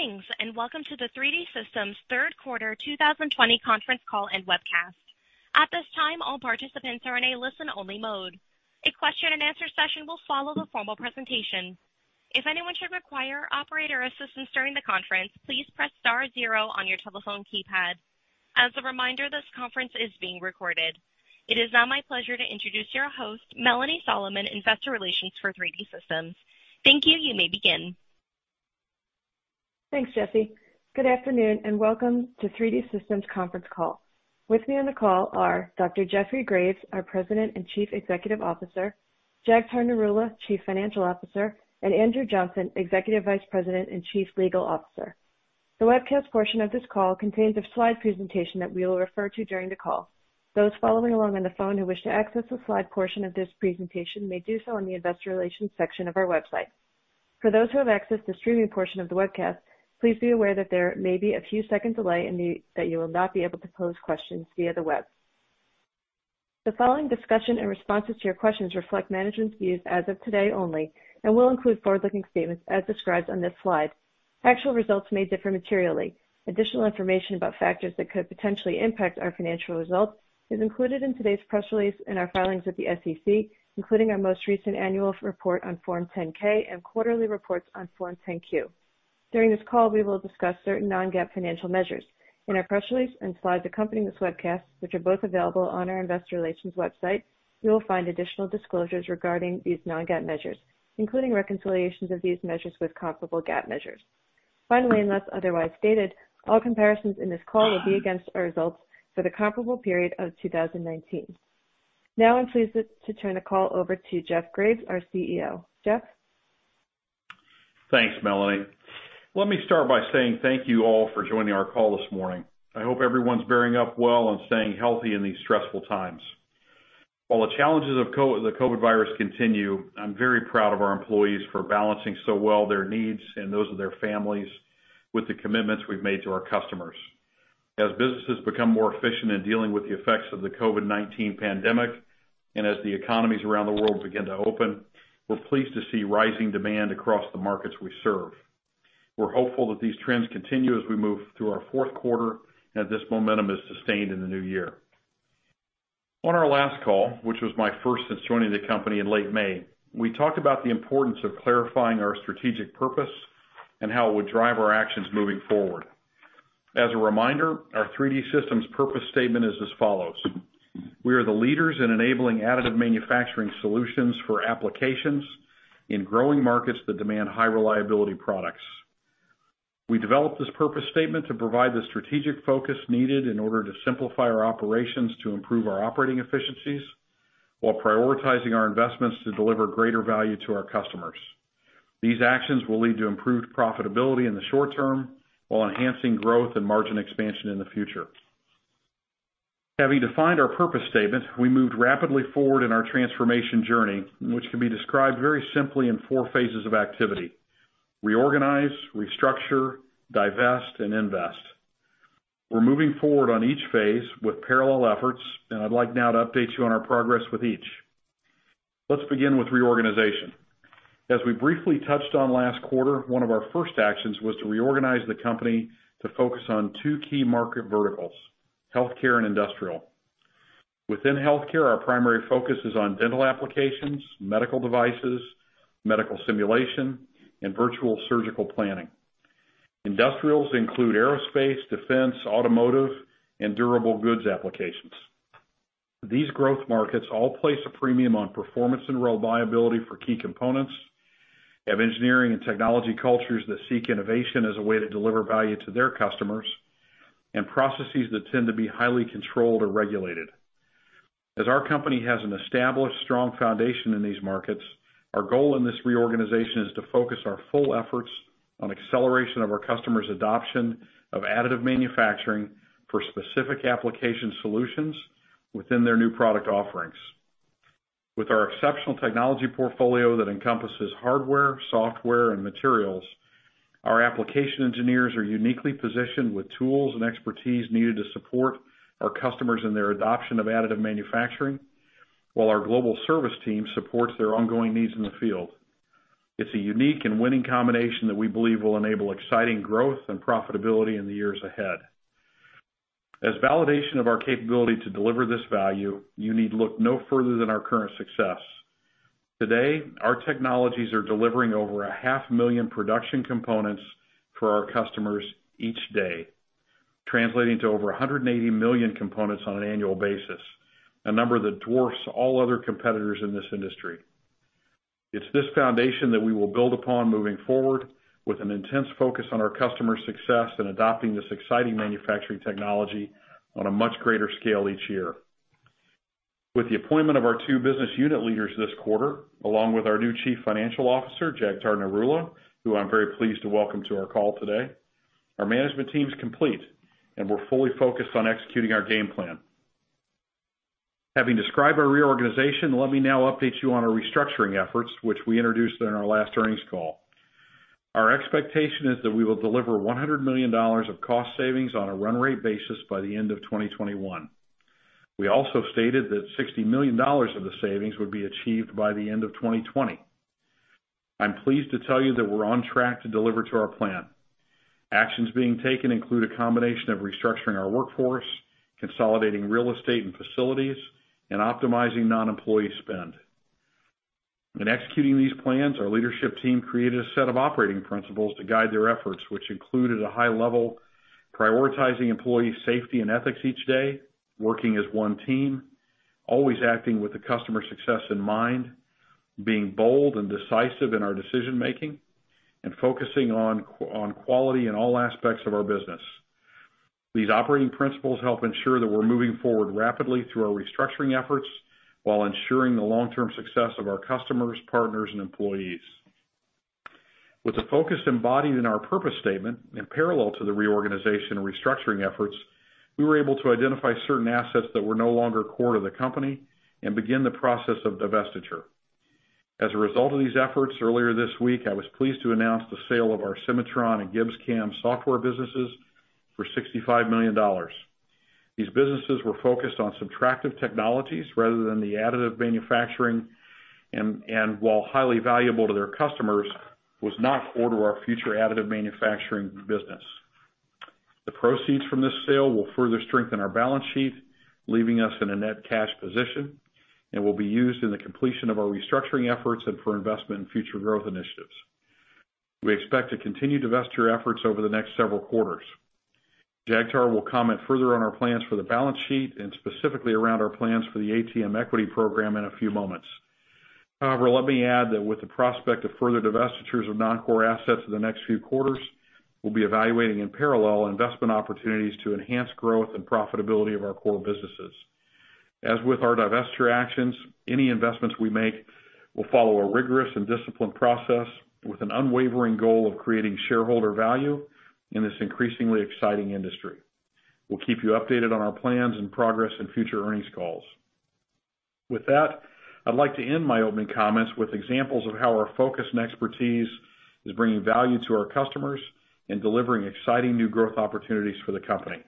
Thanks, and welcome to the 3D Systems third quarter 2020 conference call and webcast. At this time, all participants are in a listen-only mode. A question-and-answer session will follow the formal presentation. If anyone should require operator assistance during the conference, please press star zero on your telephone keypad. As a reminder, this conference is being recorded. It is now my pleasure to introduce your host, Melanie Solomon, Investor Relations for 3D Systems. Thank you, you may begin. Thanks, Jessie. Good afternoon, and welcome to 3D Systems conference call. With me on the call are Dr. Jeffrey Graves, our President and Chief Executive Officer, Jagtar Narula, Chief Financial Officer, and Andrew Johnson, Executive Vice President and Chief Legal Officer. The webcast portion of this call contains a slide presentation that we will refer to during the call. Those following along on the phone who wish to access the slide portion of this presentation may do so on the Investor Relations section of our website. For those who have access to the streaming portion of the webcast, please be aware that there may be a few seconds' delay and that you will not be able to pose questions via the web. The following discussion and responses to your questions reflect management's views as of today only and will include forward-looking statements as described on this slide. Actual results may differ materially. Additional information about factors that could potentially impact our financial results is included in today's press release and our filings with the SEC, including our most recent annual report on Form 10-K and quarterly reports on Form 10-Q. During this call, we will discuss certain non-GAAP financial measures. In our press release and slides accompanying this webcast, which are both available on our Investor Relations website, you will find additional disclosures regarding these non-GAAP measures, including reconciliations of these measures with comparable GAAP measures. Finally, unless otherwise stated, all comparisons in this call will be against our results for the comparable period of 2019. Now, I'm pleased to turn the call over to Jeff Graves, our CEO. Jeff? Thanks, Melanie. Let me start by saying thank you all for joining our call this morning. I hope everyone's bearing up well and staying healthy in these stressful times. While the challenges of the COVID virus continue, I'm very proud of our employees for balancing so well their needs and those of their families with the commitments we've made to our customers. As businesses become more efficient in dealing with the effects of the COVID-19 pandemic and as the economies around the world begin to open, we're pleased to see rising demand across the markets we serve. We're hopeful that these trends continue as we move through our fourth quarter and that this momentum is sustained in the new year. On our last call, which was my first since joining the company in late May, we talked about the importance of clarifying our strategic purpose and how it would drive our actions moving forward. As a reminder, our 3D Systems purpose statement is as follows: We are the leaders in enabling additive manufacturing solutions for applications in growing markets that demand high-reliability products. We developed this purpose statement to provide the strategic focus needed in order to simplify our operations to improve our operating efficiencies while prioritizing our investments to deliver greater value to our customers. These actions will lead to improved profitability in the short term while enhancing growth and margin expansion in the future. Having defined our purpose statement, we moved rapidly forward in our transformation journey`, which can be described very simply in four phases of activity: reorganize, restructure, divest, and invest. We're moving forward on each phase with parallel efforts, and I'd like now to update you on our progress with each. Let's begin with reorganization. As we briefly touched on last quarter, one of our first actions was to reorganize the company to focus on two key market verticals: healthcare and industrial. Within healthcare, our primary focus is on dental applications, medical devices, medical simulation, and Virtual Surgical Planning. Industrials include aerospace, defense, automotive, and durable goods applications. These growth markets all place a premium on performance and reliability for key components, have engineering and technology cultures that seek innovation as a way to deliver value to their customers, and processes that tend to be highly controlled or regulated. As our company has an established, strong foundation in these markets, our goal in this reorganization is to focus our full efforts on acceleration of our customers' adoption of additive manufacturing for specific application solutions within their new product offerings. With our exceptional technology portfolio that encompasses hardware, software, and materials, our application engineers are uniquely positioned with tools and expertise needed to support our customers in their adoption of additive manufacturing while our global service team supports their ongoing needs in the field. It's a unique and winning combination that we believe will enable exciting growth and profitability in the years ahead. As validation of our capability to deliver this value, you need to look no further than our current success. Today, our technologies are delivering over 500,000 production components for our customers each day, translating to over 180 million components on an annual basis, a number that dwarfs all other competitors in this industry. It's this foundation that we will build upon moving forward with an intense focus on our customers' success in adopting this exciting manufacturing technology on a much greater scale each year. With the appointment of our two business unit leaders this quarter, along with our new Chief Financial Officer, Jagtar Narula, who I'm very pleased to welcome to our call today, our management team is complete, and we're fully focused on executing our game plan. Having described our reorganization, let me now update you on our restructuring efforts, which we introduced in our last earnings call. Our expectation is that we will deliver $100 million of cost savings on a run-rate basis by the end of 2021. We also stated that $60 million of the savings would be achieved by the end of 2020. I'm pleased to tell you that we're on track to deliver to our plan. Actions being taken include a combination of restructuring our workforce, consolidating real estate and facilities, and optimizing non-employee spend. In executing these plans, our leadership team created a set of operating principles to guide their efforts, which included a high level prioritizing employee safety and ethics each day, working as one team, always acting with the customer success in mind, being bold and decisive in our decision-making, and focusing on quality in all aspects of our business. These operating principles help ensure that we're moving forward rapidly through our restructuring efforts while ensuring the long-term success of our customers, partners, and employees. With the focus embodied in our purpose statement and parallel to the reorganization and restructuring efforts, we were able to identify certain assets that were no longer core to the company and begin the process of divestiture. As a result of these efforts, earlier this week, I was pleased to announce the sale of our Cimatron and GibbsCAM software businesses for $65 million. These businesses were focused on subtractive technologies rather than the additive manufacturing, and while highly valuable to their customers, was not core to our future additive manufacturing business. The proceeds from this sale will further strengthen our balance sheet, leaving us in a net cash position, and will be used in the completion of our restructuring efforts and for investment in future growth initiatives. We expect to continue divestiture efforts over the next several quarters. Jagtar will comment further on our plans for the balance sheet and specifically around our plans for the ATM equity program in a few moments. However, let me add that with the prospect of further divestitures of non-core assets in the next few quarters, we'll be evaluating in parallel investment opportunities to enhance growth and profitability of our core businesses. As with our divestiture actions, any investments we make will follow a rigorous and disciplined process with an unwavering goal of creating shareholder value in this increasingly exciting industry. We'll keep you updated on our plans and progress in future earnings calls. With that, I'd like to end my opening comments with examples of how our focus and expertise is bringing value to our customers and delivering exciting new growth opportunities for the company.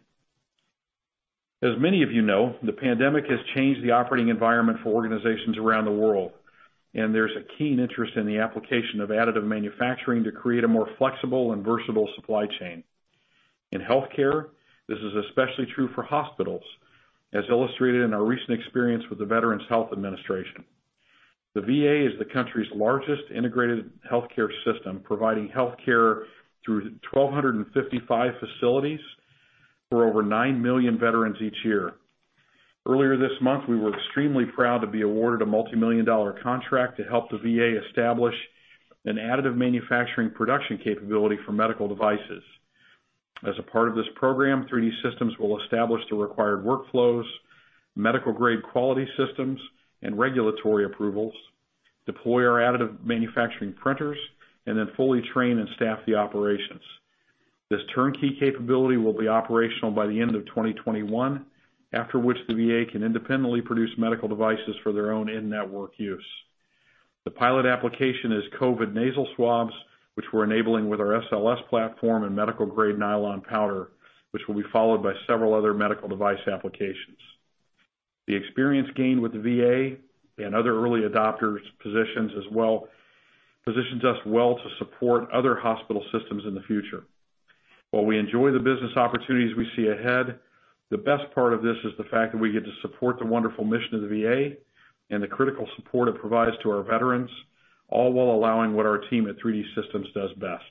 As many of you know, the pandemic has changed the operating environment for organizations around the world, and there's a keen interest in the application of additive manufacturing to create a more flexible and versatile supply chain. In healthcare, this is especially true for hospitals, as illustrated in our recent experience with the Veterans Health Administration. The VA is the country's largest integrated healthcare system, providing healthcare through 1,255 facilities for over nine million veterans each year. Earlier this month, we were extremely proud to be awarded a multi-million-dollar contract to help the VA establish an additive manufacturing production capability for medical devices. As a part of this program, 3D Systems will establish the required workflows, medical-grade quality systems, and regulatory approvals, deploy our additive manufacturing printers, and then fully train and staff the operations. This turnkey capability will be operational by the end of 2021, after which the VA can independently produce medical devices for their own in-network use. The pilot application is COVID nasal swabs, which we're enabling with our SLS platform and medical-grade nylon powder, which will be followed by several other medical device applications. The experience gained with the VA and other early adopters positions us well to support other hospital systems in the future. While we enjoy the business opportunities we see ahead, the best part of this is the fact that we get to support the wonderful mission of the VA and the critical support it provides to our veterans, all while allowing what our team at 3D Systems does best.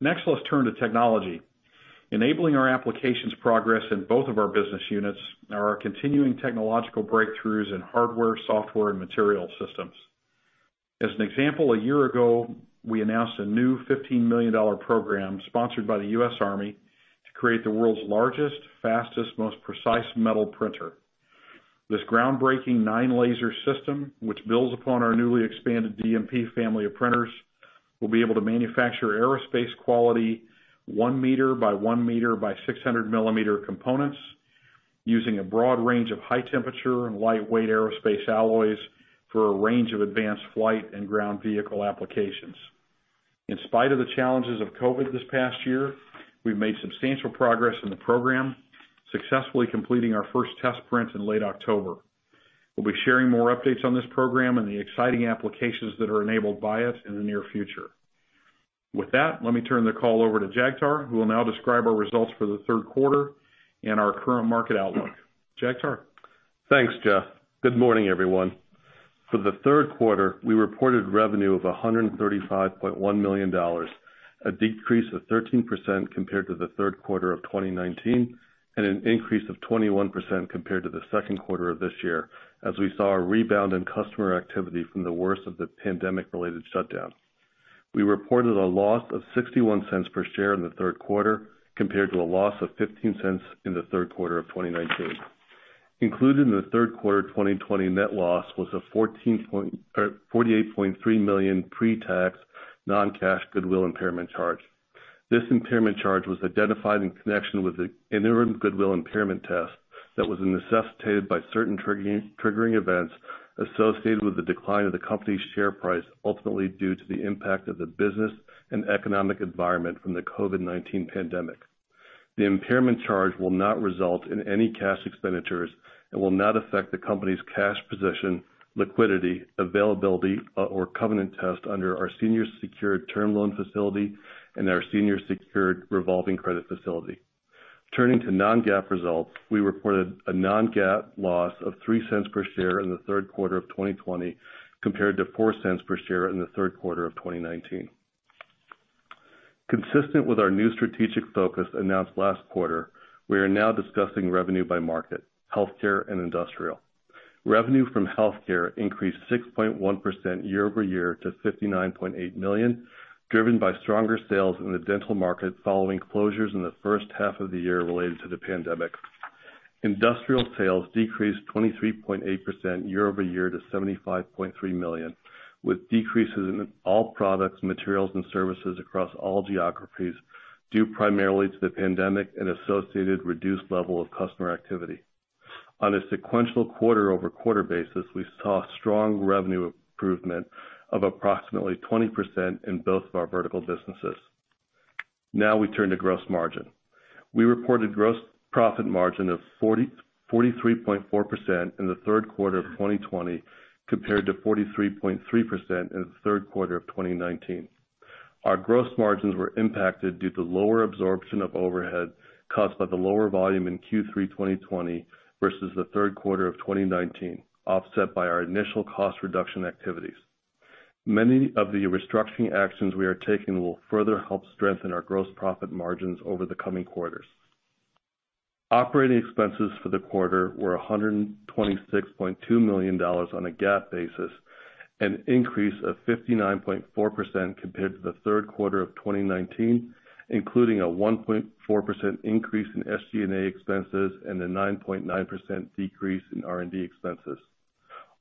Next, let's turn to technology. Enabling our applications' progress in both of our business units are our continuing technological breakthroughs in hardware, software, and materials systems. As an example, a year ago, we announced a new $15 million program sponsored by the U.S. Army to create the world's largest, fastest, most precise metal printer. This groundbreaking nine-laser system, which builds upon our newly expanded DMP family of printers, will be able to manufacture aerospace-quality one meter by one meter by 600 millimeter components using a broad range of high-temperature and lightweight aerospace alloys for a range of advanced flight and ground vehicle applications. In spite of the challenges of COVID this past year, we've made substantial progress in the program, successfully completing our first test print in late October. We'll be sharing more updates on this program and the exciting applications that are enabled by it in the near future. With that, let me turn the call over to Jagtar, who will now describe our results for the third quarter and our current market outlook. Jagtar? Thanks, Jeff. Good morning, everyone. For the third quarter, we reported revenue of $135.1 million, a decrease of 13% compared to the third quarter of 2019, and an increase of 21% compared to the second quarter of this year, as we saw a rebound in customer activity from the worst of the pandemic-related shutdown. We reported a loss of $0.61 per share in the third quarter compared to a loss of $0.15 in the third quarter of 2019. Included in the third quarter 2020 net loss was a $48.3 million pre-tax non-cash goodwill impairment charge. This impairment charge was identified in connection with the interim goodwill impairment test that was necessitated by certain triggering events associated with the decline of the company's share price, ultimately due to the impact of the business and economic environment from the COVID-19 pandemic. The impairment charge will not result in any cash expenditures and will not affect the company's cash position, liquidity, availability, or covenant test under our senior secured term loan facility and our senior secured revolving credit facility. Turning to non-GAAP results, we reported a non-GAAP loss of $0.03 per share in the third quarter of 2020 compared to $0.04 per share in the third quarter of 2019. Consistent with our new strategic focus announced last quarter, we are now discussing revenue by market: healthcare and industrial. Revenue from healthcare increased 6.1% year over year to $59.8 million, driven by stronger sales in the dental market following closures in the first half of the year related to the pandemic. Industrial sales decreased 23.8% year over year to $75.3 million, with decreases in all products, materials, and services across all geographies due primarily to the pandemic and associated reduced level of customer activity. On a sequential quarter-over-quarter basis, we saw strong revenue improvement of approximately 20% in both of our vertical businesses. Now we turn to gross margin. We reported gross profit margin of 43.4% in the third quarter of 2020 compared to 43.3% in the third quarter of 2019. Our gross margins were impacted due to lower absorption of overhead caused by the lower volume in Q3 2020 versus the third quarter of 2019, offset by our initial cost reduction activities. Many of the restructuring actions we are taking will further help strengthen our gross profit margins over the coming quarters. Operating expenses for the quarter were $126.2 million on a GAAP basis, an increase of 59.4% compared to the third quarter of 2019, including a 1.4% increase in SG&A expenses and a 9.9% decrease in R&D expenses.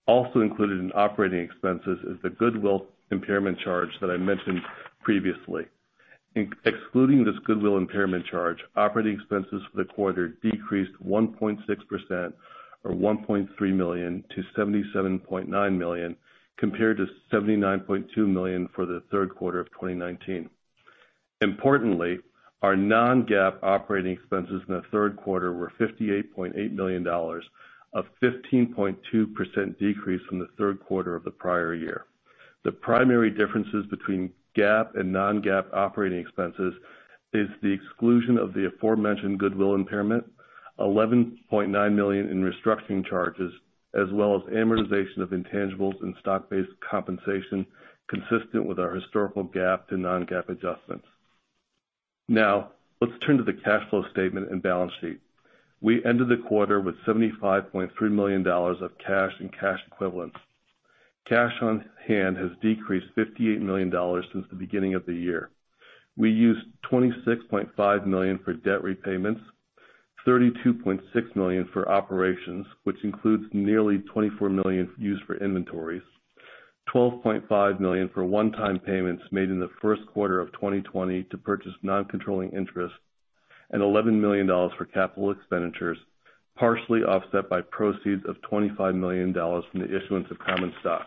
Also included in operating expenses is the goodwill impairment charge that I mentioned previously. Excluding this goodwill impairment charge, operating expenses for the quarter decreased 1.6%, or $1.3 million, to $77.9 million compared to $79.2 million for the third quarter of 2019. Importantly, our non-GAAP operating expenses in the third quarter were $58.8 million, a 15.2% decrease from the third quarter of the prior year. The primary differences between GAAP and non-GAAP operating expenses are the exclusion of the aforementioned goodwill impairment, $11.9 million in restructuring charges, as well as amortization of intangibles and stock-based compensation consistent with our historical GAAP to non-GAAP adjustments. Now, let's turn to the cash flow statement and balance sheet. We ended the quarter with $75.3 million of cash and cash equivalents. Cash on hand has decreased $58 million since the beginning of the year. We used $26.5 million for debt repayments, $32.6 million for operations, which includes nearly $24 million used for inventories, $12.5 million for one-time payments made in the first quarter of 2020 to purchase non-controlling interest, and $11 million for capital expenditures, partially offset by proceeds of $25 million from the issuance of common stock.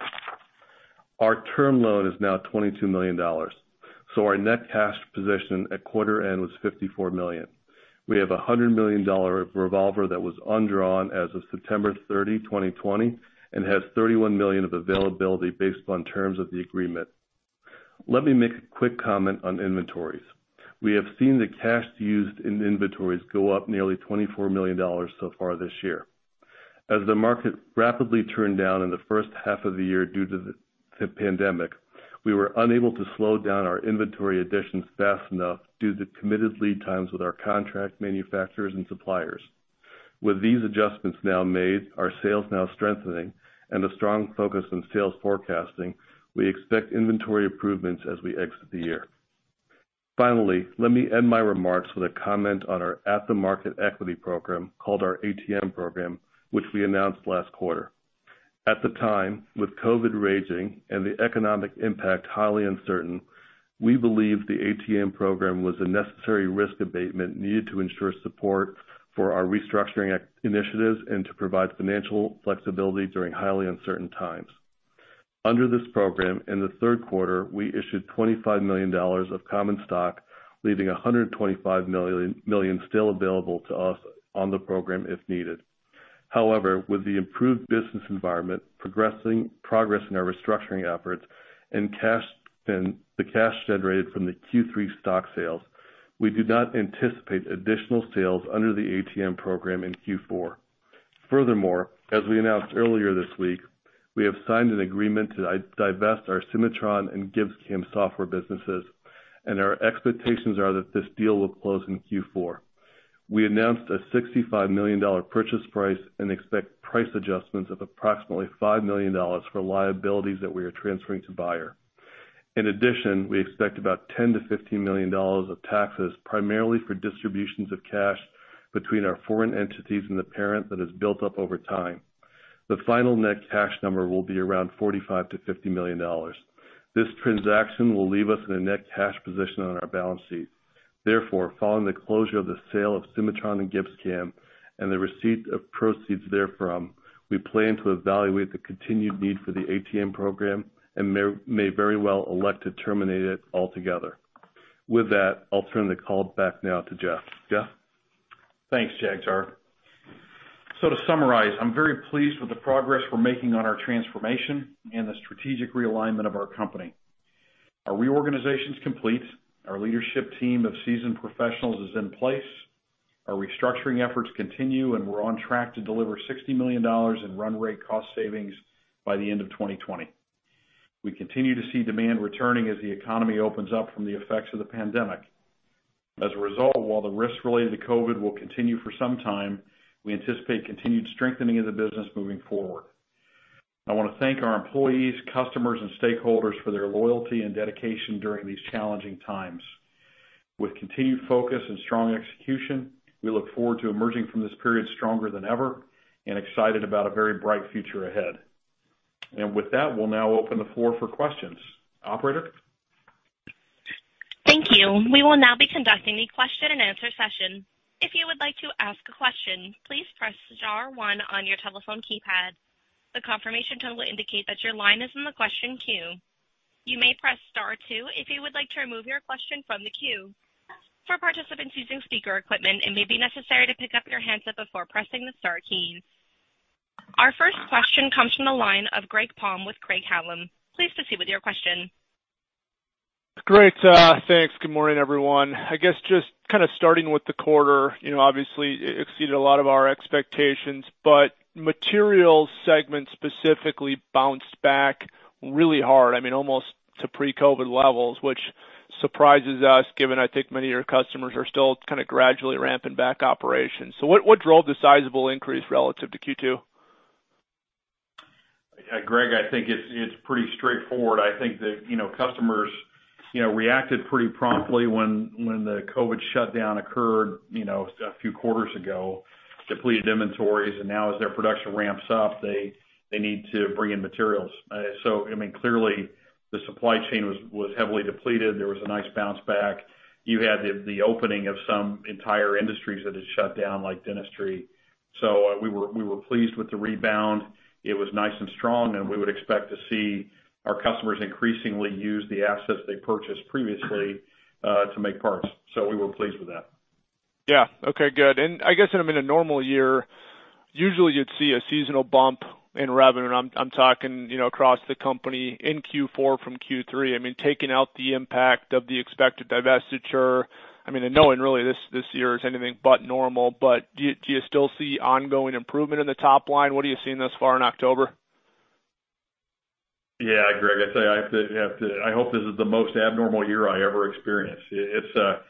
Our term loan is now $22 million, so our net cash position at quarter end was $54 million. We have a $100 million revolver that was undrawn as of September 30, 2020, and has $31 million of availability based upon terms of the agreement. Let me make a quick comment on inventories. We have seen the cash used in inventories go up nearly $24 million so far this year. As the market rapidly turned down in the first half of the year due to the pandemic, we were unable to slow down our inventory additions fast enough due to committed lead times with our contract manufacturers and suppliers. With these adjustments now made, our sales now strengthening, and a strong focus on sales forecasting, we expect inventory improvements as we exit the year. Finally, let me end my remarks with a comment on our at-the-market equity program called our ATM program, which we announced last quarter. At the time, with COVID raging and the economic impact highly uncertain, we believed the ATM program was a necessary risk abatement needed to ensure support for our restructuring initiatives and to provide financial flexibility during highly uncertain times. Under this program, in the third quarter, we issued $25 million of common stock, leaving $125 million still available to us on the program if needed. However, with the improved business environment, progress in our restructuring efforts, and the cash generated from the Q3 stock sales, we do not anticipate additional sales under the ATM program in Q4. Furthermore, as we announced earlier this week, we have signed an agreement to divest our Cimatron and GibbsCAM software businesses, and our expectations are that this deal will close in Q4. We announced a $65 million purchase price and expect price adjustments of approximately $5 million for liabilities that we are transferring to buyer. In addition, we expect about $10-$15 million of taxes, primarily for distributions of cash between our foreign entities and the parent that has built up over time. The final net cash number will be around $45-$50 million. This transaction will leave us in a net cash position on our balance sheet. Therefore, following the closure of the sale of Cimatron and GibbsCAM, and the receipt of proceeds therefrom, we plan to evaluate the continued need for the ATM program and may very well elect to terminate it altogether. With that, I'll turn the call back now to Jeff. Jeff? Thanks, Jagtar. So to summarize, I'm very pleased with the progress we're making on our transformation and the strategic realignment of our company. Our reorganization is complete. Our leadership team of seasoned professionals is in place. Our restructuring efforts continue, and we're on track to deliver $60 million in run rate cost savings by the end of 2020. We continue to see demand returning as the economy opens up from the effects of the pandemic. As a result, while the risks related to COVID will continue for some time, we anticipate continued strengthening of the business moving forward. I want to thank our employees, customers, and stakeholders for their loyalty and dedication during these challenging times. With continued focus and strong execution, we look forward to emerging from this period stronger than ever and excited about a very bright future ahead. And with that, we'll now open the floor for questions. Operator? Thank you. We will now be conducting the question-and-answer session. If you would like to ask a question, please press star one on your telephone keypad. The confirmation tone will indicate that your line is in the question queue. You may press star two if you would like to remove your question from the queue. For participants using speaker equipment, it may be necessary to pick up your handset before pressing the star key. Our first question comes from the line of Greg Palm with Craig-Hallum. Please go ahead with your question. Great. Thanks. Good morning, everyone. I guess just kind of starting with the quarter, obviously, it exceeded a lot of our expectations, but materials segment specifically bounced back really hard, I mean, almost to pre-COVID levels, which surprises us given, I think, many of your customers are still kind of gradually ramping back operations. So what drove the sizable increase relative to Q2? Greg, I think it's pretty straightforward. I think that customers reacted pretty promptly when the COVID shutdown occurred a few quarters ago, depleted inventories, and now as their production ramps up, they need to bring in materials. So I mean, clearly, the supply chain was heavily depleted. There was a nice bounce back. You had the opening of some entire industries that had shut down, like dentistry. So we were pleased with the rebound. It was nice and strong, and we would expect to see our customers increasingly use the assets they purchased previously to make parts. So we were pleased with that. Yeah. Okay. Good. And I guess in a normal year, usually you'd see a seasonal bump in revenue. I'm talking across the company in Q4 from Q3. I mean, taking out the impact of the expected divestiture, I mean, and knowing really this year is anything but normal, but do you still see ongoing improvement in the top line? What are you seeing thus far in October? Yeah, Greg, I'd say I have to hope this is the most abnormal year I ever experienced. I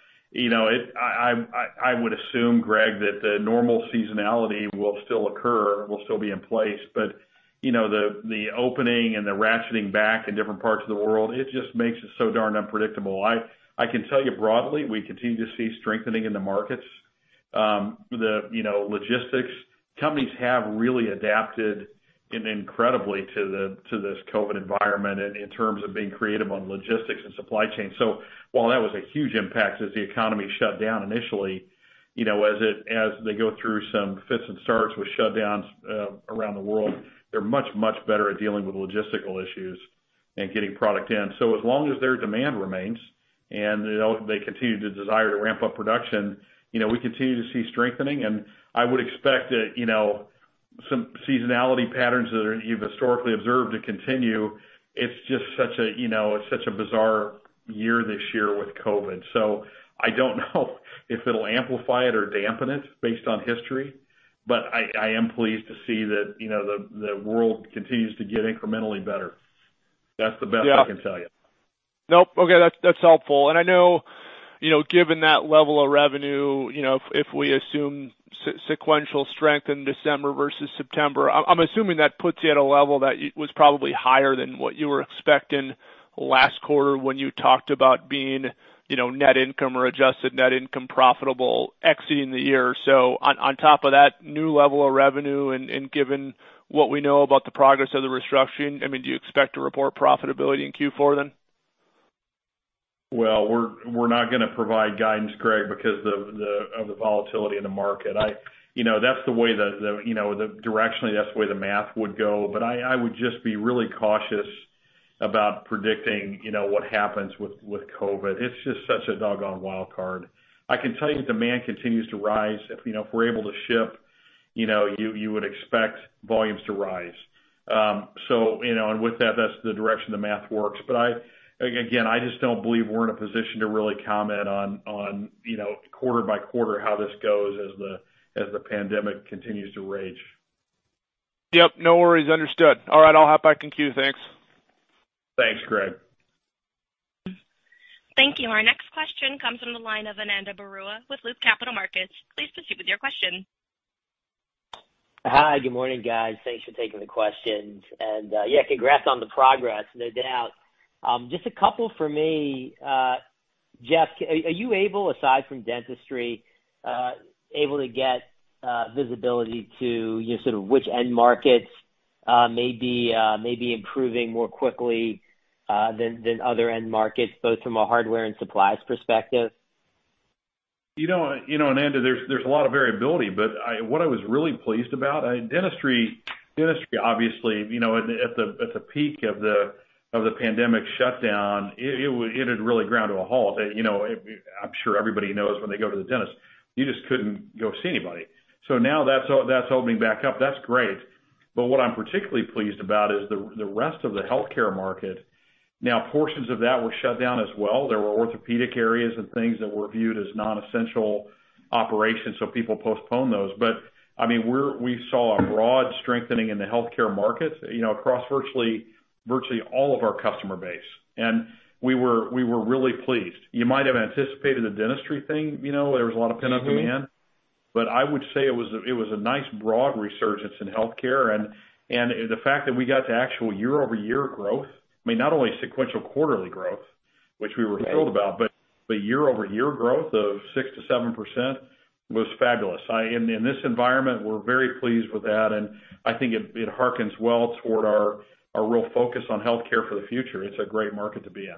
would assume, Greg, that the normal seasonality will still occur, will still be in place, but the opening and the ratcheting back in different parts of the world, it just makes it so darn unpredictable. I can tell you broadly, we continue to see strengthening in the markets, the logistics. Companies have really adapted incredibly to this COVID environment in terms of being creative on logistics and supply chain. So while that was a huge impact as the economy shut down initially, as they go through some fits and starts with shutdowns around the world, they're much, much better at dealing with logistical issues and getting product in. So as long as their demand remains and they continue to desire to ramp up production, we continue to see strengthening, and I would expect some seasonality patterns that are historically observed to continue. It's just such a bizarre year this year with COVID. So I don't know if it'll amplify it or dampen it based on history, but I am pleased to see that the world continues to get incrementally better. That's the best I can tell you. Yeah. Nope. Okay. That's helpful. And I know given that level of revenue, if we assume sequential strength in December versus September, I'm assuming that puts you at a level that was probably higher than what you were expecting last quarter when you talked about being net income or adjusted net income profitable exiting the year. So on top of that new level of revenue and given what we know about the progress of the restructuring, I mean, do you expect to report profitability in Q4 then? We're not going to provide guidance, Greg, because of the volatility in the market. That's the way that the directionally, that's the way the math would go, but I would just be really cautious about predicting what happens with COVID. It's just such a doggone wild card. I can tell you demand continues to rise. If we're able to ship, you would expect volumes to rise. So with that, that's the direction the math works. But again, I just don't believe we're in a position to really comment on quarter by quarter how this goes as the pandemic continues to rage. Yep. No worries. Understood. All right. I'll hop back in queue. Thanks. Thanks, Greg. Thank you. Our next question comes from the line of Ananda Baruah with Loop Capital Markets. Please proceed with your question. Hi. Good morning, guys. Thanks for taking the questions. And yeah, congrats on the progress, no doubt. Just a couple for me. Jeff, are you able, aside from dentistry, able to get visibility to sort of which end markets may be improving more quickly than other end markets, both from a hardware and supplies perspective? You know, Ananda, there's a lot of variability, but what I was really pleased about, dentistry, obviously, at the peak of the pandemic shutdown, it had really ground to a halt. I'm sure everybody knows when they go to the dentist, you just couldn't go see anybody. So now that's opening back up. That's great. But what I'm particularly pleased about is the rest of the healthcare market. Now, portions of that were shut down as well. There were orthopedic areas and things that were viewed as non-essential operations, so people postponed those. But I mean, we saw a broad strengthening in the healthcare market across virtually all of our customer base. And we were really pleased. You might have anticipated the dentistry thing. There was a lot of pent-up demand. But I would say it was a nice broad resurgence in healthcare. The fact that we got to actual year-over-year growth, I mean, not only sequential quarterly growth, which we were thrilled about, but year-over-year growth of 6% to 7% was fabulous. In this environment, we're very pleased with that. I think it harkens well toward our real focus on healthcare for the future. It's a great market to be in.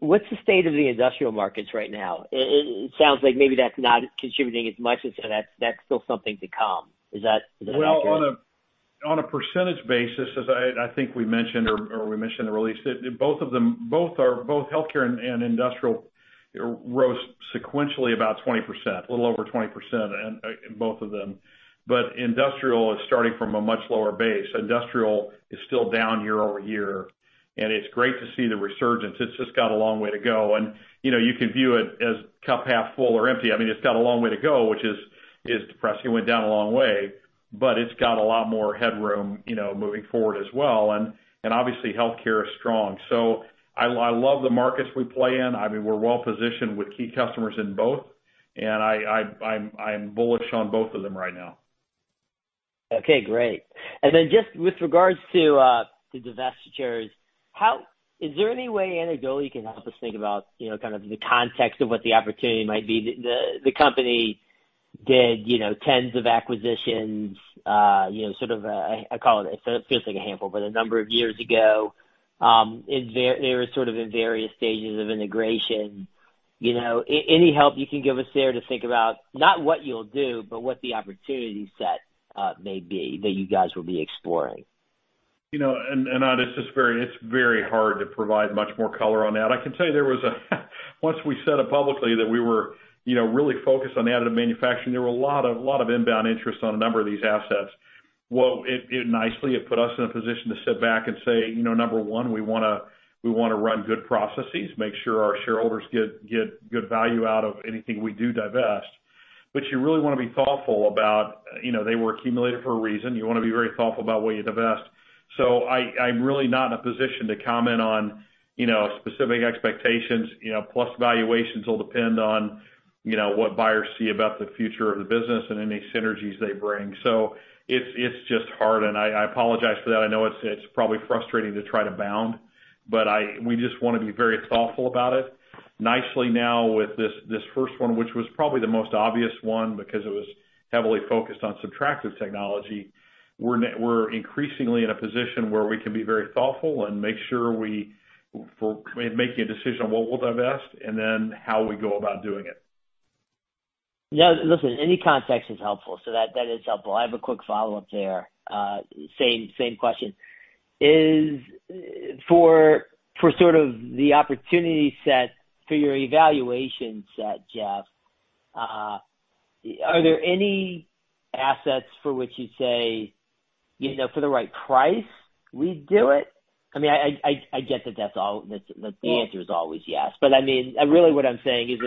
What's the state of the industrial markets right now? It sounds like maybe that's not contributing as much, and so that's still something to come. Is that accurate? On a percentage basis, as I think we mentioned or we mentioned in the release, both healthcare and industrial rose sequentially about 20%, a little over 20% in both of them. But industrial is starting from a much lower base. Industrial is still down year-over-year. And it's great to see the resurgence. It's just got a long way to go. And you can view it as cup half full or empty. I mean, it's got a long way to go, which is depressing. It went down a long way, but it's got a lot more headroom moving forward as well. And obviously, healthcare is strong. So I love the markets we play in. I mean, we're well-positioned with key customers in both, and I'm bullish on both of them right now. Okay. Great. And then just with regards to the divestitures, is there any way an analogy can help us think about kind of the context of what the opportunity might be? The company did tens of acquisitions, sort of I call it feels like a handful, but a number of years ago. They were sort of in various stages of integration. Any help you can give us there to think about not what you'll do, but what the opportunity set may be that you guys will be exploring? You know, Ananda, it's very hard to provide much more color on that. I can tell you there was, once we said it publicly that we were really focused on additive manufacturing, there were a lot of inbound interest on a number of these assets. Well, it nicely put us in a position to sit back and say, number one, we want to run good processes, make sure our shareholders get good value out of anything we do divest. But you really want to be thoughtful about they were accumulated for a reason. You want to be very thoughtful about what you divest. So I'm really not in a position to comment on specific expectations. Plus, valuations will depend on what buyers see about the future of the business and any synergies they bring. So it's just hard. And I apologize for that. I know it's probably frustrating to try to bound, but we just want to be very thoughtful about it. Nicely now with this first one, which was probably the most obvious one because it was heavily focused on subtractive technology, we're increasingly in a position where we can be very thoughtful and make sure we're making a decision on what we'll divest and then how we go about doing it. Yeah. Listen, any context is helpful. So that is helpful. I have a quick follow-up there. Same question. For sort of the opportunity set for your evaluation set, Jeff, are there any assets for which you'd say, for the right price, we'd do it? I mean, I get that that's all the answer is always yes. But I mean, really what I'm saying is,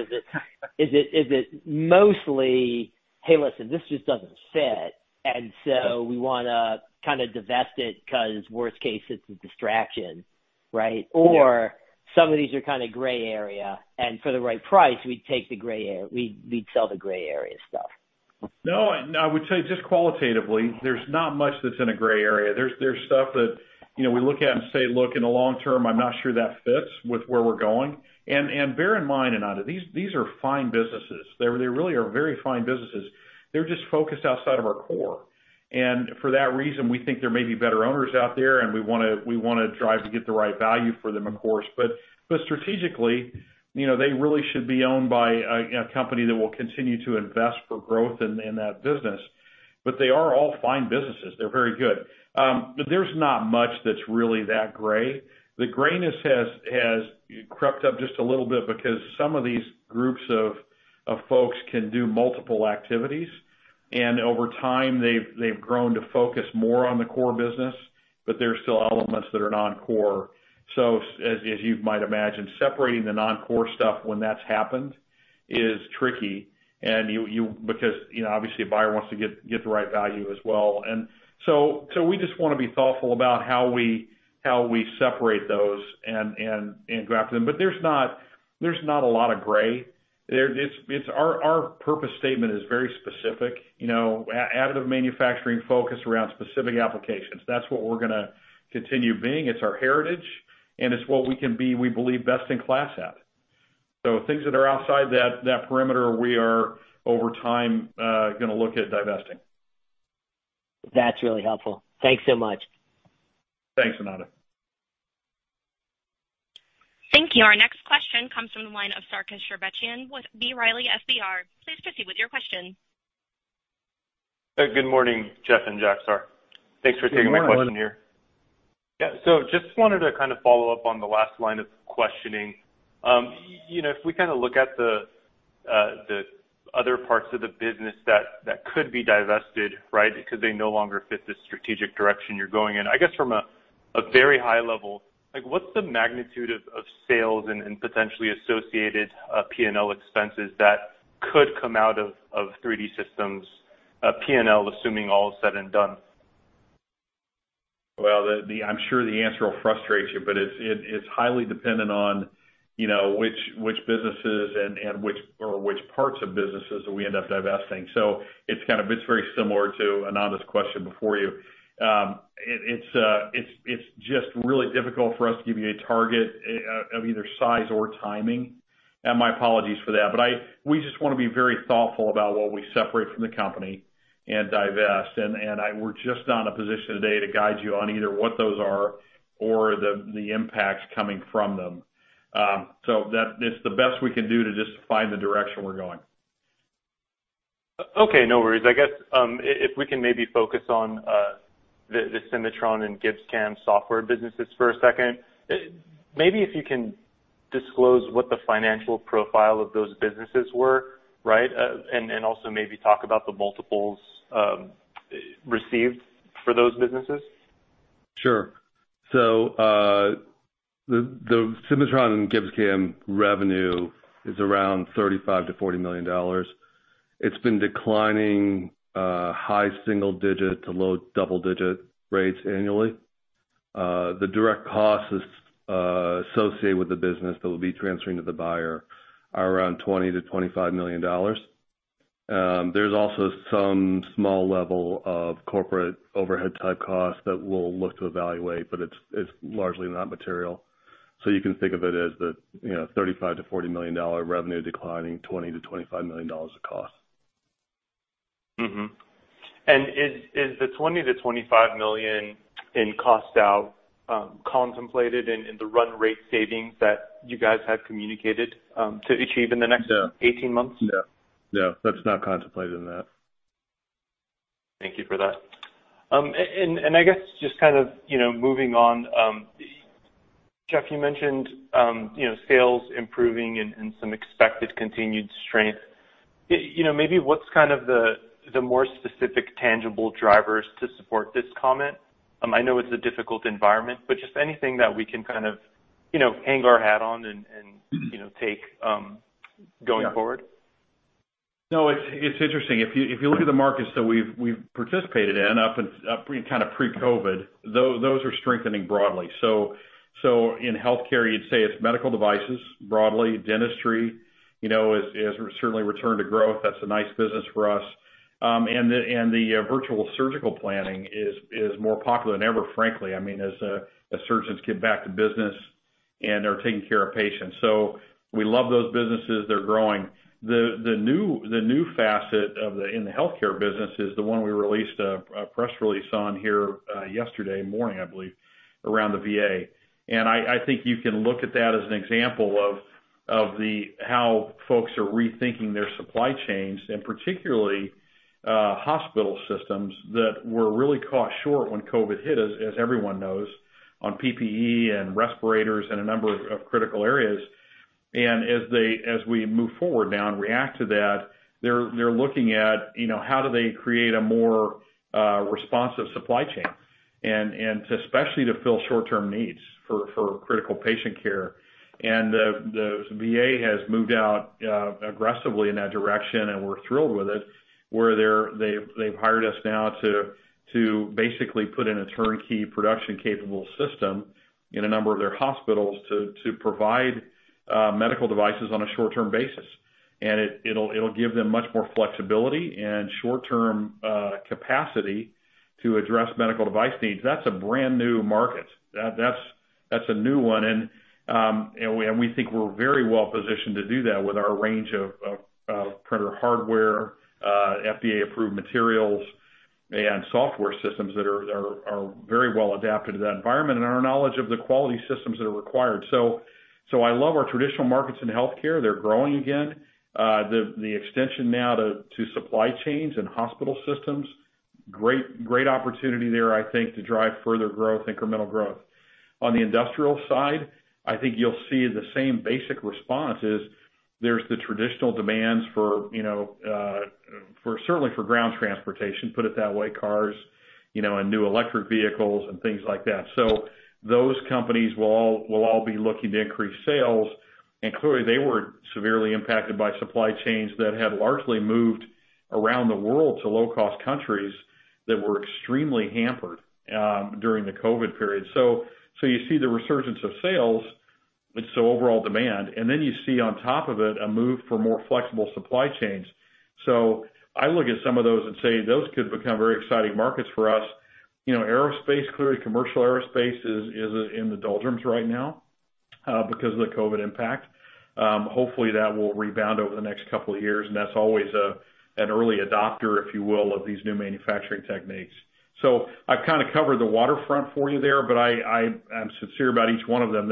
is it mostly, "Hey, listen, this just doesn't fit. And so we want to kind of divest it because worst case, it's a distraction," right? Or some of these are kind of gray area. And for the right price, we'd take the gray area, we'd sell the gray area stuff. No, I would say just qualitatively, there's not much that's in a gray area. There's stuff that we look at and say, "Look, in the long term, I'm not sure that fits with where we're going." And bear in mind, Ananda, these are fine businesses. They really are very fine businesses. They're just focused outside of our core. And for that reason, we think there may be better owners out there, and we want to drive to get the right value for them, of course. But strategically, they really should be owned by a company that will continue to invest for growth in that business. But they are all fine businesses. They're very good. There's not much that's really that gray. The grayness has crept up just a little bit because some of these groups of folks can do multiple activities. And over time, they've grown to focus more on the core business, but there are still elements that are non-core. So as you might imagine, separating the non-core stuff when that's happened is tricky because obviously, a buyer wants to get the right value as well. And so we just want to be thoughtful about how we separate those and go after them. But there's not a lot of gray. Our purpose statement is very specific. Additive manufacturing focused around specific applications. That's what we're going to continue being. It's our heritage, and it's what we can be, we believe, best in class at. So things that are outside that perimeter, we are over time going to look at divesting. That's really helpful. Thanks so much. Thanks, Ananda. Thank you. Our next question comes from the line of Sarkis Sherbetchyan with B. Riley FBR. Please proceed with your question. Good morning, Jeff and Jagtar. Thanks for taking my question here. Yeah. So just wanted to kind of follow up on the last line of questioning. If we kind of look at the other parts of the business that could be divested, right, because they no longer fit the strategic direction you're going in, I guess from a very high level, what's the magnitude of sales and potentially associated P&L expenses that could come out of 3D Systems P&L, assuming all is said and done? I'm sure the answer will frustrate you, but it's highly dependent on which businesses or which parts of businesses that we end up divesting. It's kind of very similar to Ananda's question before you. It's just really difficult for us to give you a target of either size or timing. My apologies for that. We just want to be very thoughtful about what we separate from the company and divest. We're just not in a position today to guide you on either what those are or the impacts coming from them. It's the best we can do to just find the direction we're going. Okay. No worries. I guess if we can maybe focus on the Cimatron and GibbsCAM software businesses for a second. Maybe if you can disclose what the financial profile of those businesses were, right, and also maybe talk about the multiples received for those businesses. Sure. So the Cimatron and GibbsCAM revenue is around $35-$40 million. It's been declining high single-digit to low double-digit rates annually. The direct costs associated with the business that will be transferring to the buyer are around $20-$25 million. There's also some small level of corporate overhead-type costs that we'll look to evaluate, but it's largely not material. So you can think of it as the $35-$40 million dollar revenue declining $20-$25 million dollars of cost. Is the $20 million-$25 million in cost out contemplated in the run rate savings that you guys have communicated to achieve in the next 18 months? No. No. That's not contemplated in that. Thank you for that. And I guess just kind of moving on, Jeff, you mentioned sales improving and some expected continued strength. Maybe what's kind of the more specific tangible drivers to support this comment? I know it's a difficult environment, but just anything that we can kind of hang our hat on and take going forward. No, it's interesting. If you look at the markets that we've participated in kind of pre-COVID, those are strengthening broadly. So in healthcare, you'd say it's medical devices broadly. Dentistry has certainly returned to growth. That's a nice business for us. And the Virtual Surgical Planning is more popular than ever, frankly, I mean, as surgeons get back to business and are taking care of patients. So we love those businesses. They're growing. The new facet in the healthcare business is the one we released a press release on here yesterday morning, I believe, around the VA. And I think you can look at that as an example of how folks are rethinking their supply chains, and particularly hospital systems that were really caught short when COVID hit, as everyone knows, on PPE and respirators and a number of critical areas. As we move forward now and react to that, they're looking at how do they create a more responsive supply chain, and especially to fill short-term needs for critical patient care. The VA has moved out aggressively in that direction, and we're thrilled with it, where they've hired us now to basically put in a turnkey production-capable system in a number of their hospitals to provide medical devices on a short-term basis. It'll give them much more flexibility and short-term capacity to address medical device needs. That's a brand new market. That's a new one. We think we're very well-positioned to do that with our range of printer hardware, FDA-approved materials, and software systems that are very well-adapted to that environment, and our knowledge of the quality systems that are required. I love our traditional markets in healthcare. They're growing again. The extension now to supply chains and hospital systems, great opportunity there, I think, to drive further growth, incremental growth. On the industrial side, I think you'll see the same basic response. There's the traditional demands for certainly for ground transportation, put it that way, cars, and new electric vehicles and things like that. So those companies will all be looking to increase sales. And clearly, they were severely impacted by supply chains that had largely moved around the world to low-cost countries that were extremely hampered during the COVID period. So you see the resurgence of sales, so overall demand. And then you see on top of it a move for more flexible supply chains. So I look at some of those and say those could become very exciting markets for us. Aerospace, clearly commercial aerospace is in the doldrums right now because of the COVID impact. Hopefully, that will rebound over the next couple of years. And that's always an early adopter, if you will, of these new manufacturing techniques. So I've kind of covered the waterfront for you there, but I'm sincere about each one of them.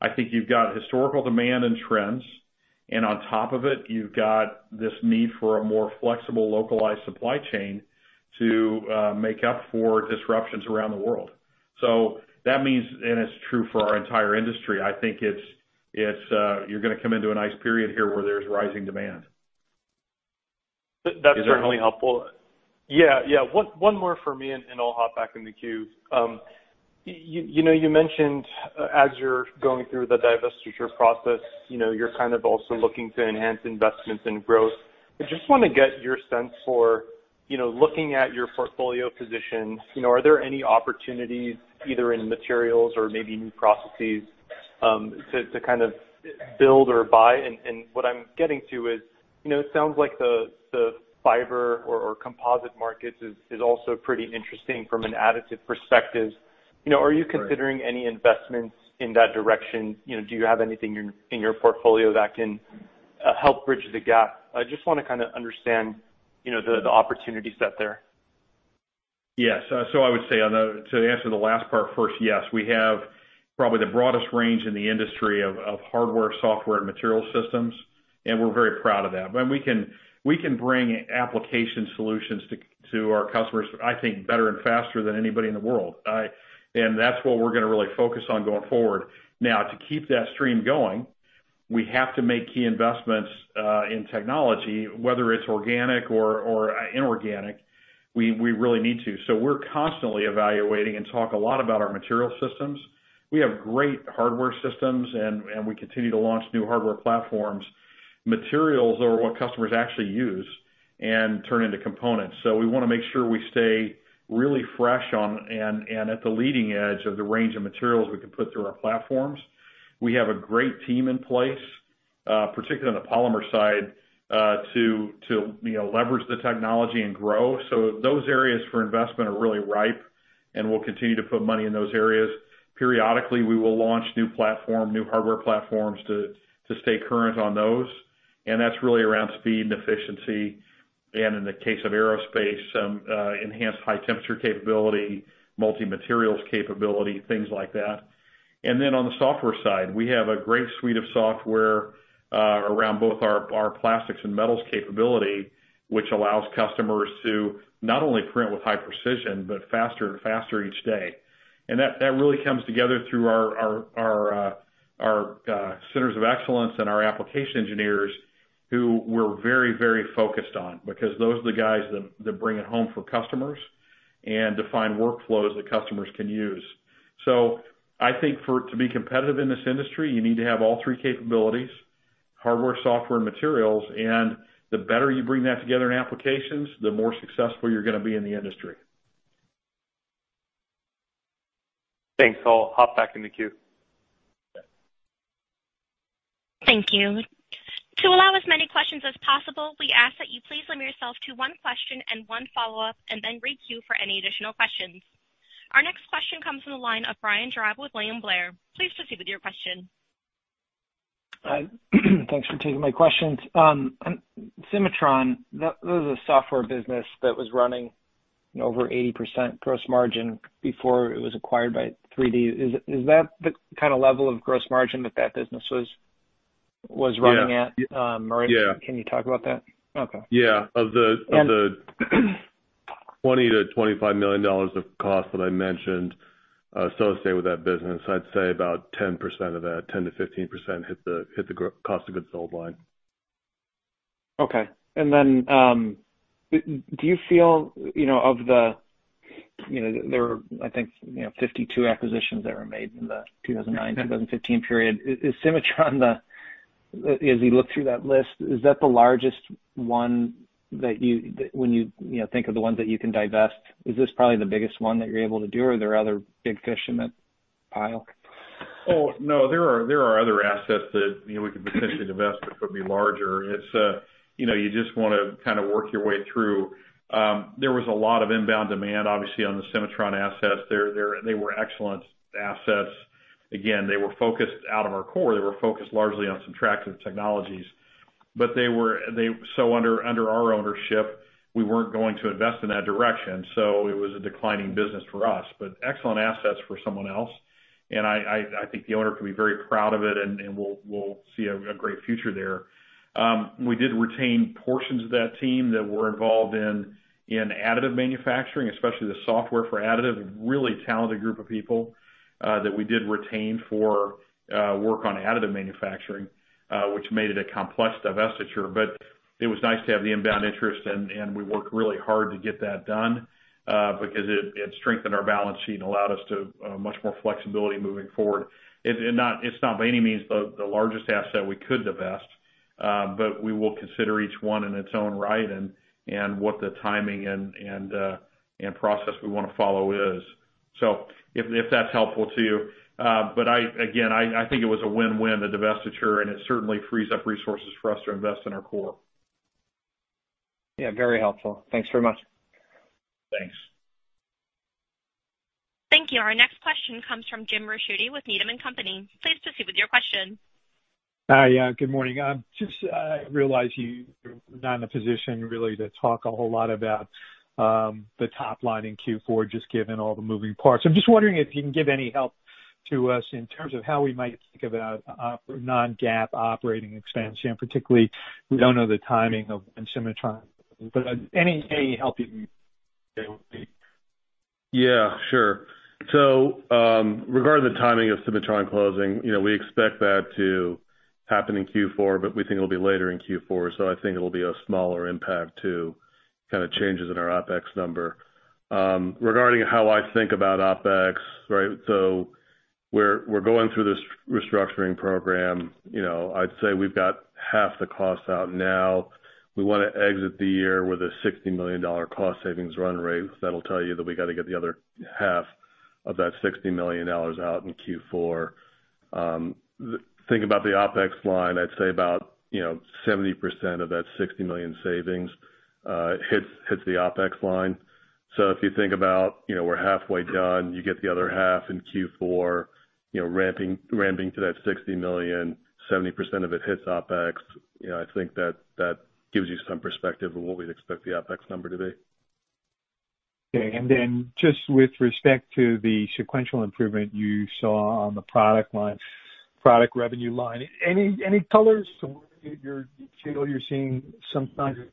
I think you've got historical demand and trends. And on top of it, you've got this need for a more flexible localized supply chain to make up for disruptions around the world. So that means, and it's true for our entire industry, I think you're going to come into a nice period here where there's rising demand. That's certainly helpful. Yeah. Yeah. One more for me, and I'll hop back in the queue. You mentioned as you're going through the divestiture process, you're kind of also looking to enhance investments and growth. I just want to get your sense for looking at your portfolio position. Are there any opportunities either in materials or maybe new processes to kind of build or buy? And what I'm getting to is it sounds like the fiber or composite markets is also pretty interesting from an additive perspective. Are you considering any investments in that direction? Do you have anything in your portfolio that can help bridge the gap? I just want to kind of understand the opportunity set there. Yes. So I would say to answer the last part first, yes. We have probably the broadest range in the industry of hardware, software, and materials systems. And we're very proud of that. And we can bring application solutions to our customers, I think, better and faster than anybody in the world. And that's what we're going to really focus on going forward. Now, to keep that stream going, we have to make key investments in technology, whether it's organic or inorganic. We really need to. So we're constantly evaluating and talk a lot about our materials systems. We have great hardware systems, and we continue to launch new hardware platforms. Materials are what customers actually use and turn into components. So we want to make sure we stay really fresh and at the leading edge of the range of materials we can put through our platforms. We have a great team in place, particularly on the polymer side, to leverage the technology and grow. So those areas for investment are really ripe, and we'll continue to put money in those areas. Periodically, we will launch new hardware platforms to stay current on those. And that's really around speed and efficiency. And in the case of aerospace, enhanced high-temperature capability, multi-materials capability, things like that. And then on the software side, we have a great suite of software around both our plastics and metals capability, which allows customers to not only print with high precision, but faster and faster each day. And that really comes together through our centers of excellence and our application engineers who we're very, very focused on because those are the guys that bring it home for customers and define workflows that customers can use. So I think to be competitive in this industry, you need to have all three capabilities: hardware, software, and materials. And the better you bring that together in applications, the more successful you're going to be in the industry. Thanks. I'll hop back in the queue. Thank you. To allow as many questions as possible, we ask that you please limit yourself to one question and one follow-up, and then re-queue for any additional questions. Our next question comes from the line of Brian Drab with William Blair. Please proceed with your question. Thanks for taking my questions. Cimatron, that was a software business that was running over 80% gross margin before it was acquired by 3D. Is that the kind of level of gross margin that that business was running at? Yeah. Yeah. Can you talk about that? Okay. Yeah. Of the $20 million-$25 million of cost that I mentioned associated with that business, I'd say about 10% of that, 10% to 15% hit the cost of goods sold line. Okay. And then do you feel of the, I think, 52 acquisitions that were made in the 2009, 2015 period, is Cimatron, as you look through that list, is that the largest one that when you think of the ones that you can divest? Is this probably the biggest one that you're able to do, or are there other big fish in that pile? Oh, no. There are other assets that we could potentially divest that could be larger. You just want to kind of work your way through. There was a lot of inbound demand, obviously, on the Cimatron assets. They were excellent assets. Again, they were focused out of our core. They were focused largely on subtractive technologies. But, so under our ownership, we weren't going to invest in that direction. So it was a declining business for us, but excellent assets for someone else. And I think the owner can be very proud of it, and we'll see a great future there. We did retain portions of that team that were involved in additive manufacturing, especially the software for additive. A really talented group of people that we did retain for work on additive manufacturing, which made it a complex divestiture. But it was nice to have the inbound interest, and we worked really hard to get that done because it strengthened our balance sheet and allowed us much more flexibility moving forward. It's not by any means the largest asset we could divest, but we will consider each one in its own right and what the timing and process we want to follow is. So if that's helpful to you. But again, I think it was a win-win, the divestiture, and it certainly frees up resources for us to invest in our core. Yeah. Very helpful. Thanks very much. Thanks. Thank you. Our next question comes from Jim Ricchiuti with Needham & Company. Please proceed with your question. Hi. Yeah. Good morning. I realize you're not in a position really to talk a whole lot about the top line in Q4, just given all the moving parts. I'm just wondering if you can give any help to us in terms of how we might think about non-GAAP operating expansion, particularly we don't know the timing of when Cimatron, but any help you can give me. Yeah. Sure. So regarding the timing of Cimatron closing, we expect that to happen in Q4, but we think it'll be later in Q4. So I think it'll be a smaller impact to kind of changes in our OpEx number. Regarding how I think about OpEx, right, so we're going through this restructuring program. I'd say we've got half the cost out now. We want to exit the year with a $60 million cost savings run rate. That'll tell you that we got to get the other half of that $60 million out in Q4. Think about the OpEx line. I'd say about 70% of that $60 million savings hits the OpEx line. So if you think about we're halfway done, you get the other half in Q4, ramping to that $60 million, 70% of it hits OpEx. I think that gives you some perspective of what we'd expect the OpEx number to be. Okay. And then, just with respect to the sequential improvement you saw on the product line, product revenue line, any colors or you're seeing some kind of?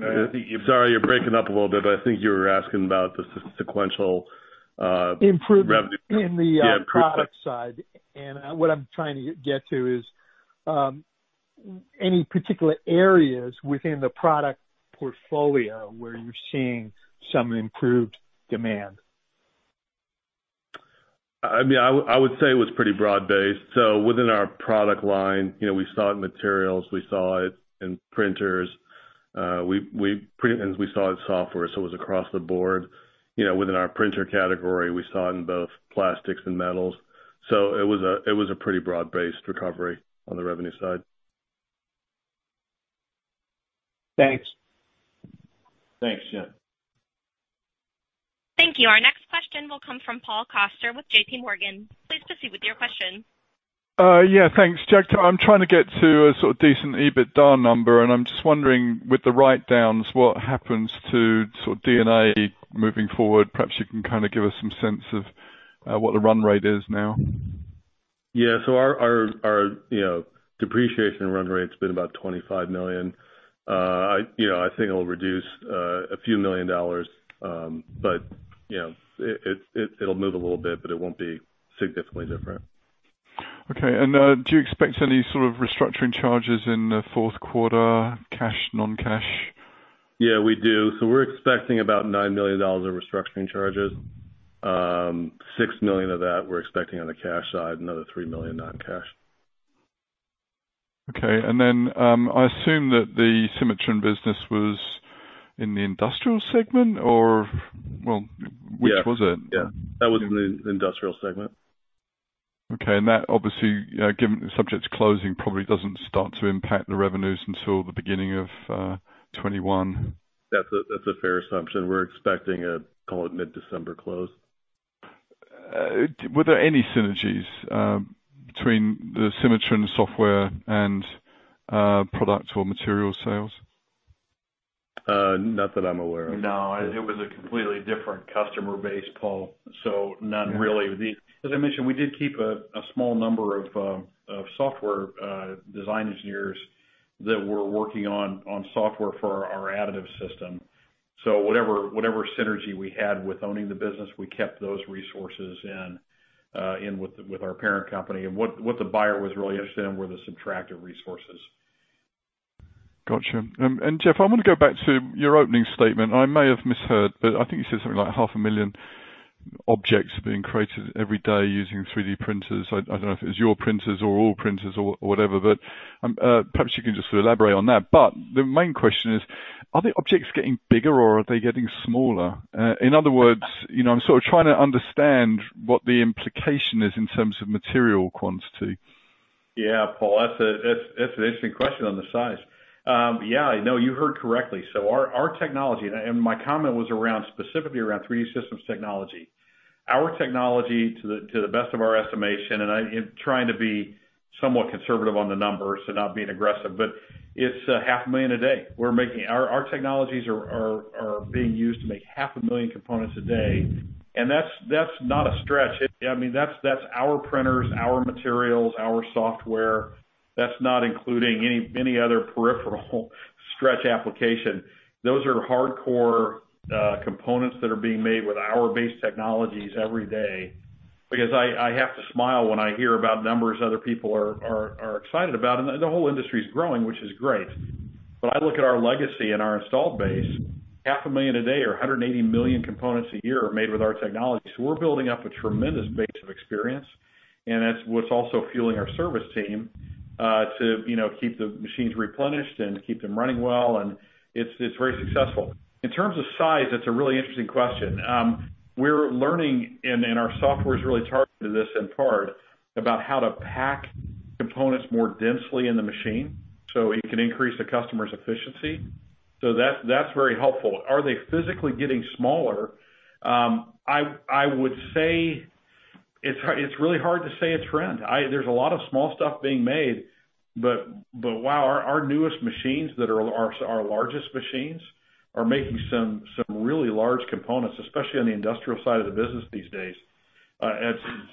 Sorry, you're breaking up a little bit, but I think you were asking about the sequential. Improvement in the product side. And what I'm trying to get to is any particular areas within the product portfolio where you're seeing some improved demand. I mean, I would say it was pretty broad-based. So within our product line, we saw it in materials. We saw it in printers. We saw it in software. So it was across the board. Within our printer category, we saw it in both plastics and metals. So it was a pretty broad-based recovery on the revenue side. Thanks. Thanks, Jim. Thank you. Our next question will come from Paul Coster with J.P. Morgan. Please proceed with your question. Yeah. Thanks, Jagtar. I'm trying to get to a sort of decent EBITDA number. And I'm just wondering with the write-downs, what happens to sort of D&A moving forward? Perhaps you can kind of give us some sense of what the run rate is now. Yeah. Our depreciation run rate's been about $25 million. I think it'll reduce a few million dollars, but it'll move a little bit, but it won't be significantly different. Okay. And do you expect any sort of restructuring charges in the fourth quarter, cash, non-cash? Yeah, we do. So we're expecting about $9 million in restructuring charges. $6 million of that we're expecting on the cash side, another $3 million non-cash. Okay. And then I assume that the Cimatron business was in the industrial segment, or well, which was it? Yeah. Yeah. That was in the industrial segment. Okay. And that, obviously, given the subject's closing, probably doesn't start to impact the revenues until the beginning of 2021. That's a fair assumption. We're expecting a, call it, mid-December close. Were there any synergies between the Cimatron software and product or materials sales? Not that I'm aware of. No. It was a completely different customer base, Paul. So none really. As I mentioned, we did keep a small number of software design engineers that were working on software for our additive system. So whatever synergy we had with owning the business, we kept those resources in with our parent company. And what the buyer was really interested in were the subtractive resources. Gotcha. And Jeff, I want to go back to your opening statement. I may have misheard, but I think you said something like 500,000 objects are being created every day using 3D printers. I don't know if it was your printers or all printers or whatever, but perhaps you can just elaborate on that. But the main question is, are the objects getting bigger, or are they getting smaller? In other words, I'm sort of trying to understand what the implication is in terms of material quantity. Yeah, Paul, that's an interesting question on the size. Yeah. No, you heard correctly. So our technology, and my comment was specifically around 3D Systems technology, our technology, to the best of our estimation, and I'm trying to be somewhat conservative on the numbers and not being aggressive, but it's 500,000 a day. Our technologies are being used to make 500,000 components a day, and that's not a stretch. I mean, that's our printers, our materials, our software. That's not including any other peripheral software applications. Those are hardcore components that are being made with our base technologies every day. Because I have to smile when I hear about numbers other people are excited about, and the whole industry's growing, which is great, but I look at our legacy and our installed base, 500,000 a day or 180 million components a year are made with our technology. So we're building up a tremendous base of experience. And that's what's also fueling our service team to keep the machines replenished and keep them running well. And it's very successful. In terms of size, that's a really interesting question. We're learning, and our software is really targeted to this in part, about how to pack components more densely in the machine so it can increase the customer's efficiency. So that's very helpful. Are they physically getting smaller? I would say it's really hard to say a trend. There's a lot of small stuff being made. But wow, our newest machines that are our largest machines are making some really large components, especially on the industrial side of the business these days.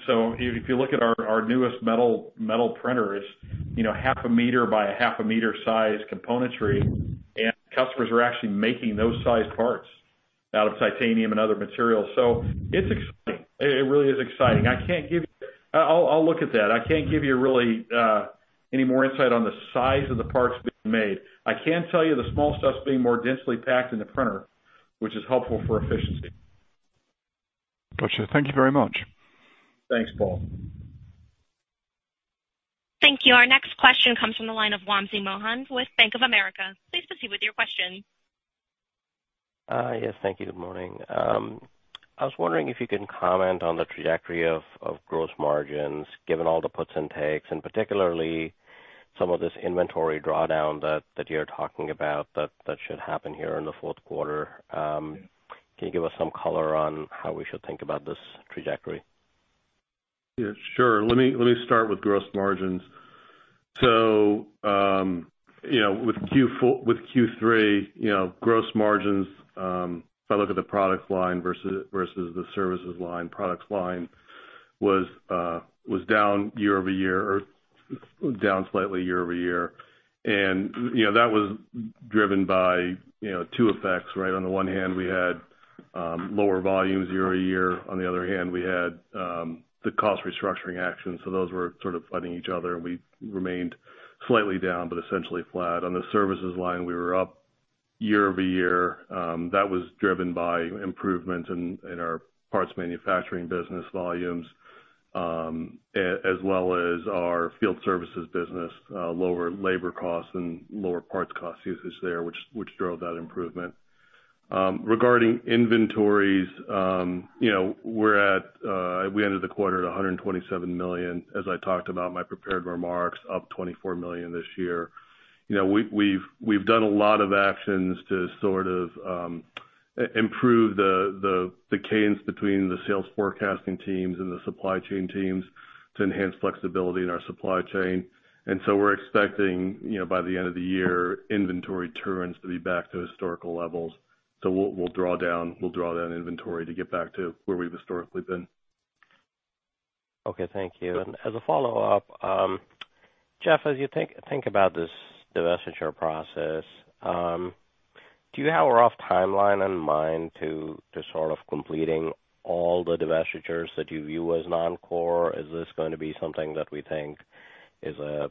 So if you look at our newest metal printer, it's half a meter by a half a meter size componentry. Customers are actually making those size parts out of titanium and other materials. It's exciting. It really is exciting. I'll look at that. I can't give you really any more insight on the size of the parts being made. I can tell you the small stuff's being more densely packed in the printer, which is helpful for efficiency. Gotcha. Thank you very much. Thanks, Paul. Thank you. Our next question comes from the line of Wamsi Mohan with Bank of America. Please proceed with your question. Yes. Thank you. Good morning. I was wondering if you can comment on the trajectory of gross margins given all the puts and takes, and particularly some of this inventory drawdown that you're talking about that should happen here in the fourth quarter. Can you give us some color on how we should think about this trajectory? Yeah. Sure. Let me start with gross margins. So with Q3, gross margins, if I look at the product line versus the services line, product line was down year-over-year or down slightly year-over-year. And that was driven by two effects, right? On the one hand, we had lower volumes year-over-year. On the other hand, we had the cost restructuring actions. So those were sort of fighting each other. And we remained slightly down but essentially flat. On the services line, we were up year-over-year. That was driven by improvements in our parts manufacturing business volumes, as well as our field services business, lower labor costs and lower parts cost usage there, which drove that improvement. Regarding inventories, we ended the quarter at $127 million, as I talked about in my prepared remarks, up $24 million this year. We've done a lot of actions to sort of improve the cadence between the sales forecasting teams and the supply chain teams to enhance flexibility in our supply chain, and so we're expecting by the end of the year, inventory turns to be back to historical levels, so we'll draw down inventory to get back to where we've historically been. Okay. Thank you. And as a follow-up, Jeff, as you think about this divestiture process, do you have a rough timeline in mind to sort of completing all the divestitures that you view as non-core? Is this going to be something that we think is a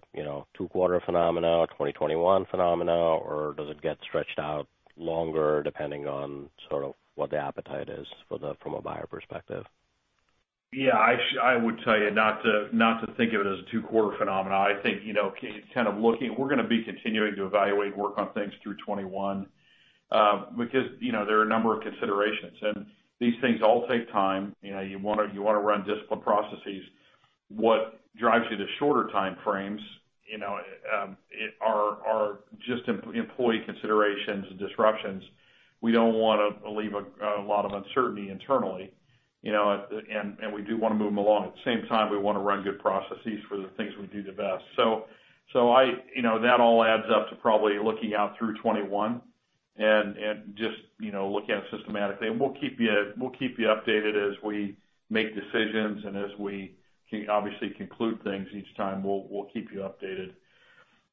two-quarter phenomena, a 2021 phenomena, or does it get stretched out longer depending on sort of what the appetite is from a buyer perspective? Yeah. I would tell you not to think of it as a two-quarter phenomenon. I think, kind of looking, we're going to be continuing to evaluate and work on things through 2021 because there are a number of considerations, and these things all take time. You want to run disciplined processes. What drives you to shorter time frames are just employee considerations and disruptions. We don't want to leave a lot of uncertainty internally, and we do want to move them along. At the same time, we want to run good processes for the things we do the best, so that all adds up to probably looking out through 2021 and just looking at it systematically, and we'll keep you updated as we make decisions and as we obviously conclude things each time. We'll keep you updated.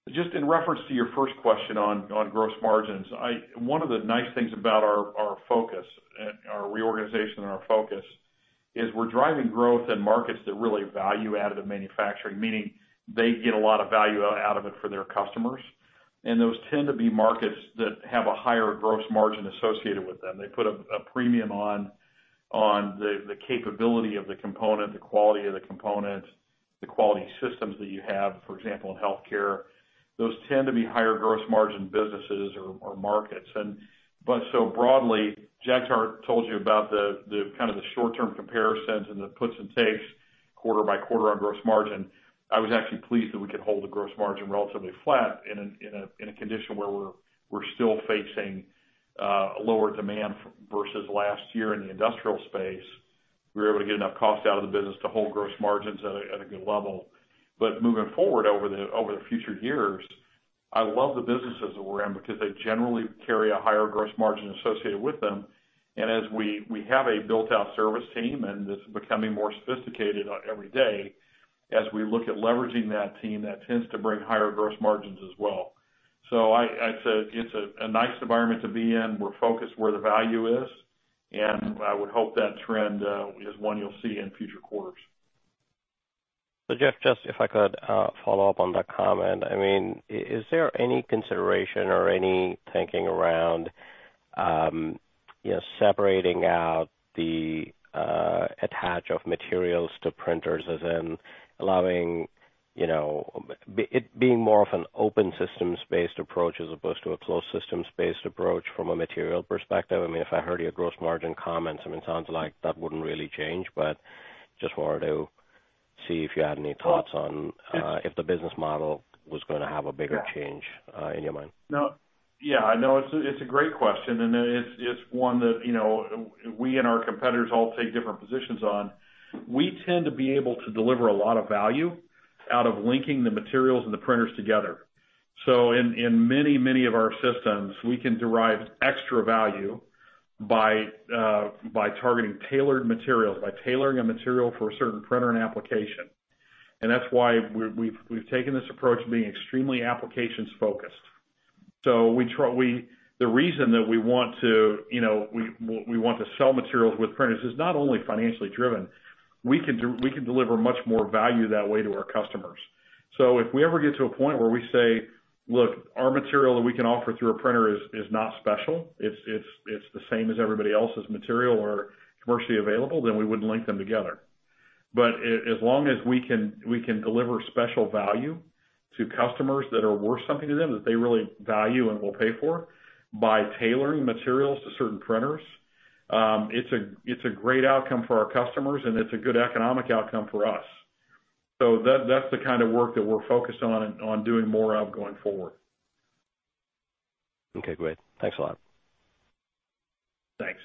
Just in reference to your first question on gross margins, one of the nice things about our focus, our reorganization and our focus, is we're driving growth in markets that really value additive manufacturing, meaning they get a lot of value out of it for their customers. And those tend to be markets that have a higher gross margin associated with them. They put a premium on the capability of the component, the quality of the component, the quality systems that you have, for example, in healthcare. Those tend to be higher gross margin businesses or markets. And so broadly, Jagtar told you about the kind of the short-term comparisons and the puts and takes quarter by quarter on gross margin. I was actually pleased that we could hold the gross margin relatively flat in a condition where we're still facing lower demand versus last year in the industrial space. We were able to get enough cost out of the business to hold gross margins at a good level. But moving forward over the future years, I love the businesses that we're in because they generally carry a higher gross margin associated with them. And as we have a built-out service team and it's becoming more sophisticated every day, as we look at leveraging that team, that tends to bring higher gross margins as well. So it's a nice environment to be in. We're focused where the value is. And I would hope that trend is one you'll see in future quarters. So Jeff, just if I could follow up on that comment. I mean, is there any consideration or any thinking around separating out the attach of materials to printers, as in allowing it being more of an open systems-based approach as opposed to a closed systems-based approach from a material perspective? I mean, if I heard your gross margin comments, I mean, it sounds like that wouldn't really change. But just wanted to see if you had any thoughts on if the business model was going to have a bigger change in your mind. No. Yeah. I know it's a great question. And it's one that we and our competitors all take different positions on. We tend to be able to deliver a lot of value out of linking the materials and the printers together. So in many, many of our systems, we can derive extra value by targeting tailored materials, by tailoring a material for a certain printer and application. And that's why we've taken this approach of being extremely applications-focused. So the reason that we want to—we want to sell materials with printers is not only financially driven. We can deliver much more value that way to our customers. So if we ever get to a point where we say, "Look, our material that we can offer through a printer is not special. It's the same as everybody else's material or commercially available," then we wouldn't link them together. But as long as we can deliver special value to customers that are worth something to them, that they really value and will pay for, by tailoring materials to certain printers, it's a great outcome for our customers, and it's a good economic outcome for us. So that's the kind of work that we're focused on and on doing more of going forward. Okay. Great. Thanks a lot. Thanks.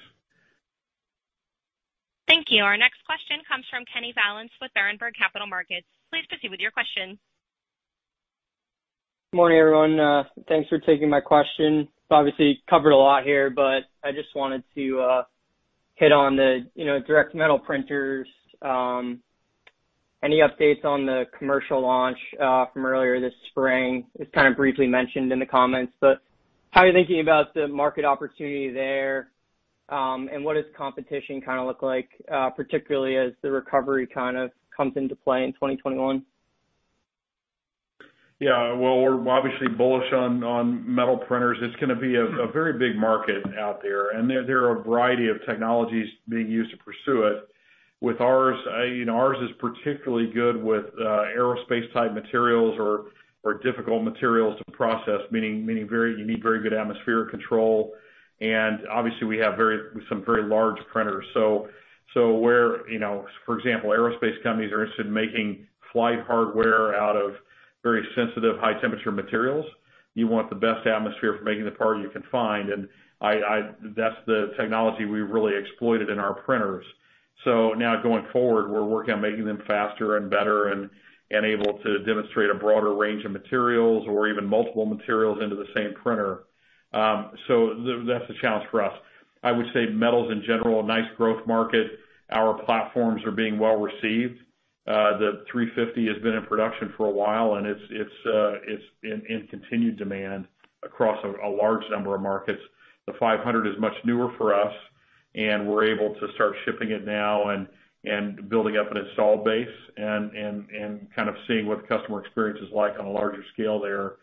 Thank you. Our next question comes from Connor Vallance with Berenberg Capital Markets. Please proceed with your question. Good morning, everyone. Thanks for taking my question. Obviously, covered a lot here, but I just wanted to hit on the direct metal printers. Any updates on the commercial launch from earlier this spring? It's kind of briefly mentioned in the comments. But how are you thinking about the market opportunity there? And what does competition kind of look like, particularly as the recovery kind of comes into play in 2021? Yeah. Well, we're obviously bullish on metal printers. It's going to be a very big market out there. And there are a variety of technologies being used to pursue it. With ours, ours is particularly good with aerospace-type materials or difficult materials to process, meaning you need very good atmospheric control. And obviously, we have some very large printers. So where, for example, aerospace companies are interested in making flight hardware out of very sensitive, high-temperature materials, you want the best atmosphere for making the part you can find. And that's the technology we really exploited in our printers. So now going forward, we're working on making them faster and better and able to demonstrate a broader range of materials or even multiple materials into the same printer. So that's the challenge for us. I would say metals in general, a nice growth market. Our platforms are being well received. The 350 has been in production for a while, and it's in continued demand across a large number of markets. The 500 is much newer for us, and we're able to start shipping it now and building up an install base and kind of seeing what the customer experience is like on a larger scale there.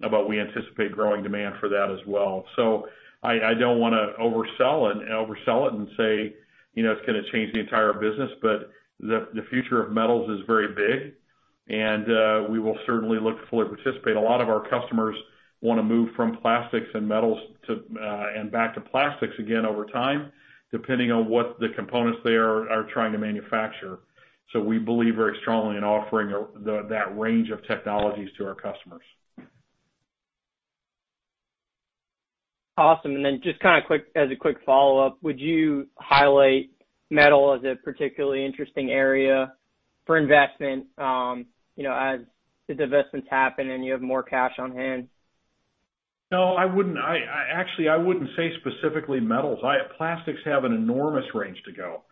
But we anticipate growing demand for that as well, so I don't want to oversell it and say it's going to change the entire business. But the future of metals is very big, and we will certainly look to fully participate. A lot of our customers want to move from plastics and metals and back to plastics again over time, depending on what the components they are trying to manufacture. So we believe very strongly in offering that range of technologies to our customers. Awesome. And then just kind of as a quick follow-up, would you highlight metal as a particularly interesting area for investment as the divestments happen and you have more cash on hand? No. Actually, I wouldn't say specifically metals. Plastics have an enormous range to go,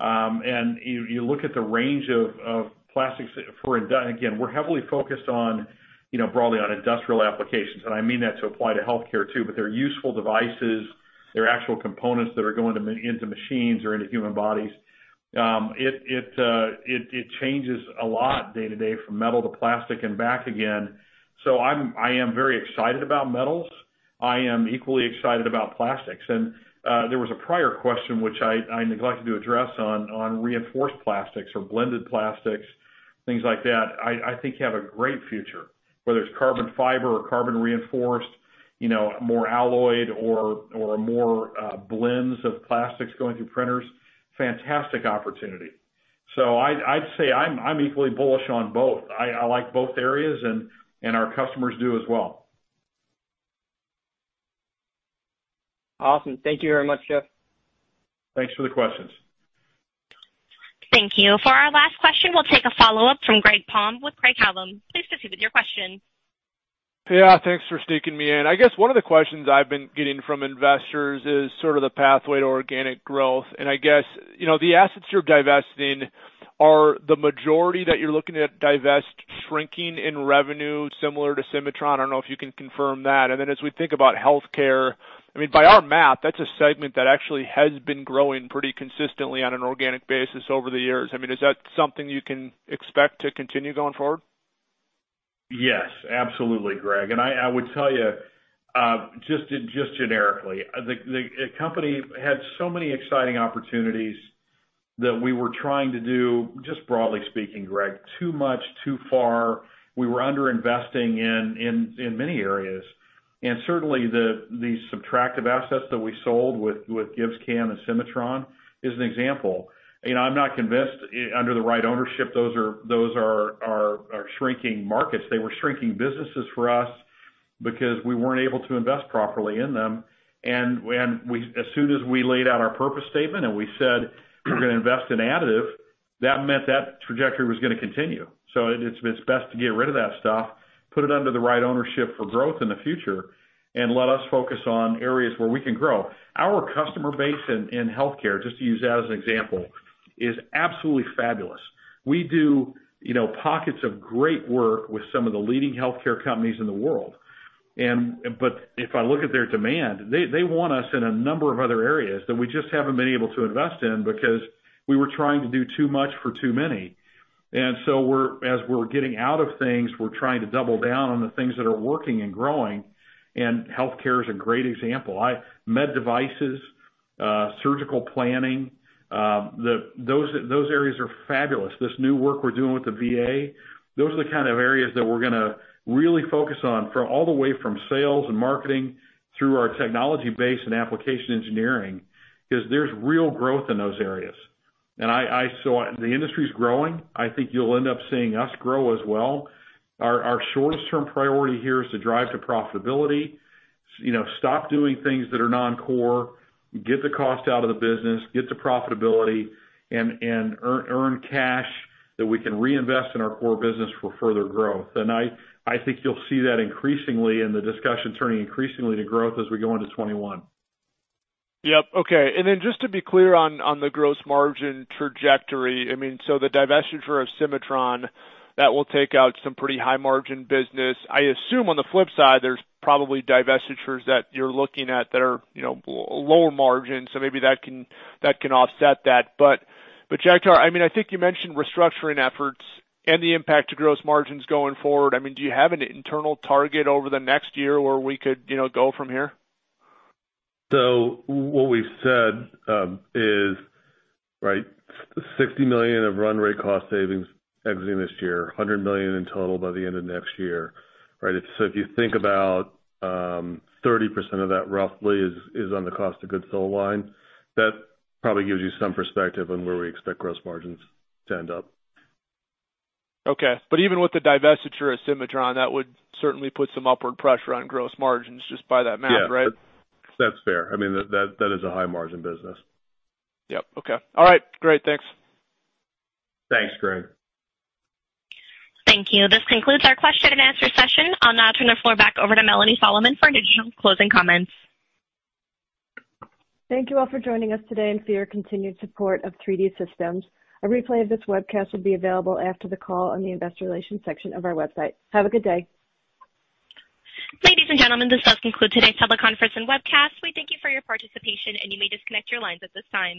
and you look at the range of plastics for, again, we're heavily focused broadly on industrial applications, and I mean that to apply to healthcare too, but they're useful devices. They're actual components that are going into machines or into human bodies. It changes a lot day to day from metal to plastic and back again. So I am very excited about metals. I am equally excited about plastics, and there was a prior question, which I neglected to address, on reinforced plastics or blended plastics, things like that. I think have a great future, whether it's carbon fiber or carbon reinforced, more alloy, or more blends of plastics going through printers. Fantastic opportunity. So I'd say I'm equally bullish on both. I like both areas, and our customers do as well. Awesome. Thank you very much, Jeff. Thanks for the questions. Thank you. For our last question, we'll take a follow-up from Greg Palm with Craig-Hallum. Please proceed with your question. Yeah. Thanks for sneaking me in. I guess one of the questions I've been getting from investors is sort of the pathway to organic growth. And I guess the assets you're divesting, are the majority that you're looking at divest shrinking in revenue similar to Cimatron? I don't know if you can confirm that. And then as we think about healthcare, I mean, by our math, that's a segment that actually has been growing pretty consistently on an organic basis over the years. I mean, is that something you can expect to continue going forward? Yes. Absolutely, Greg. And I would tell you, just generically, the company had so many exciting opportunities that we were trying to do, just broadly speaking, Greg, too much, too far. We were underinvesting in many areas. And certainly, the subtractive assets that we sold with GibbsCAM and Cimatron is an example. I'm not convinced under the right ownership those are shrinking markets. They were shrinking businesses for us because we weren't able to invest properly in them. And as soon as we laid out our purpose statement and we said, "We're going to invest in additive," that meant that trajectory was going to continue. So it's best to get rid of that stuff, put it under the right ownership for growth in the future, and let us focus on areas where we can grow. Our customer base in healthcare, just to use that as an example, is absolutely fabulous. We do pockets of great work with some of the leading healthcare companies in the world, but if I look at their demand, they want us in a number of other areas that we just haven't been able to invest in because we were trying to do too much for too many, and so as we're getting out of things, we're trying to double down on the things that are working and growing, and healthcare is a great example. Med devices, surgical planning, those areas are fabulous. This new work we're doing with the VA, those are the kind of areas that we're going to really focus on all the way from sales and marketing through our technology base and application engineering because there's real growth in those areas, and so the industry's growing. I think you'll end up seeing us grow as well. Our shortest-term priority here is to drive to profitability, stop doing things that are non-core, get the cost out of the business, get the profitability, and earn cash that we can reinvest in our core business for further growth. And I think you'll see that increasingly in the discussion turning increasingly to growth as we go into 2021. Yep. Okay. And then just to be clear on the gross margin trajectory, I mean, so the divestiture of Cimatron, that will take out some pretty high-margin business. I assume on the flip side, there's probably divestitures that you're looking at that are lower margin. So maybe that can offset that. But Jagtar, I mean, I think you mentioned restructuring efforts and the impact to gross margins going forward. I mean, do you have an internal target over the next year where we could go from here? So what we've said is, right, $60 million of run rate cost savings exiting this year, $100 million in total by the end of next year. Right? So if you think about 30% of that roughly is on the cost of goods sold line, that probably gives you some perspective on where we expect gross margins to end up. Okay. But even with the divestiture of Cimatron, that would certainly put some upward pressure on gross margins just by that math, right? Yeah. That's fair. I mean, that is a high-margin business. Yep. Okay. All right. Great. Thanks. Thanks, Greg. Thank you. This concludes our question and answer session. I'll now turn the floor back over to Melanie Solomon for additional closing comments. Thank you all for joining us today and for your continued support of 3D Systems. A replay of this webcast will be available after the call on the investor relations section of our website. Have a good day. Ladies and gentlemen, this does conclude today's public conference and webcast. We thank you for your participation, and you may disconnect your lines at this time.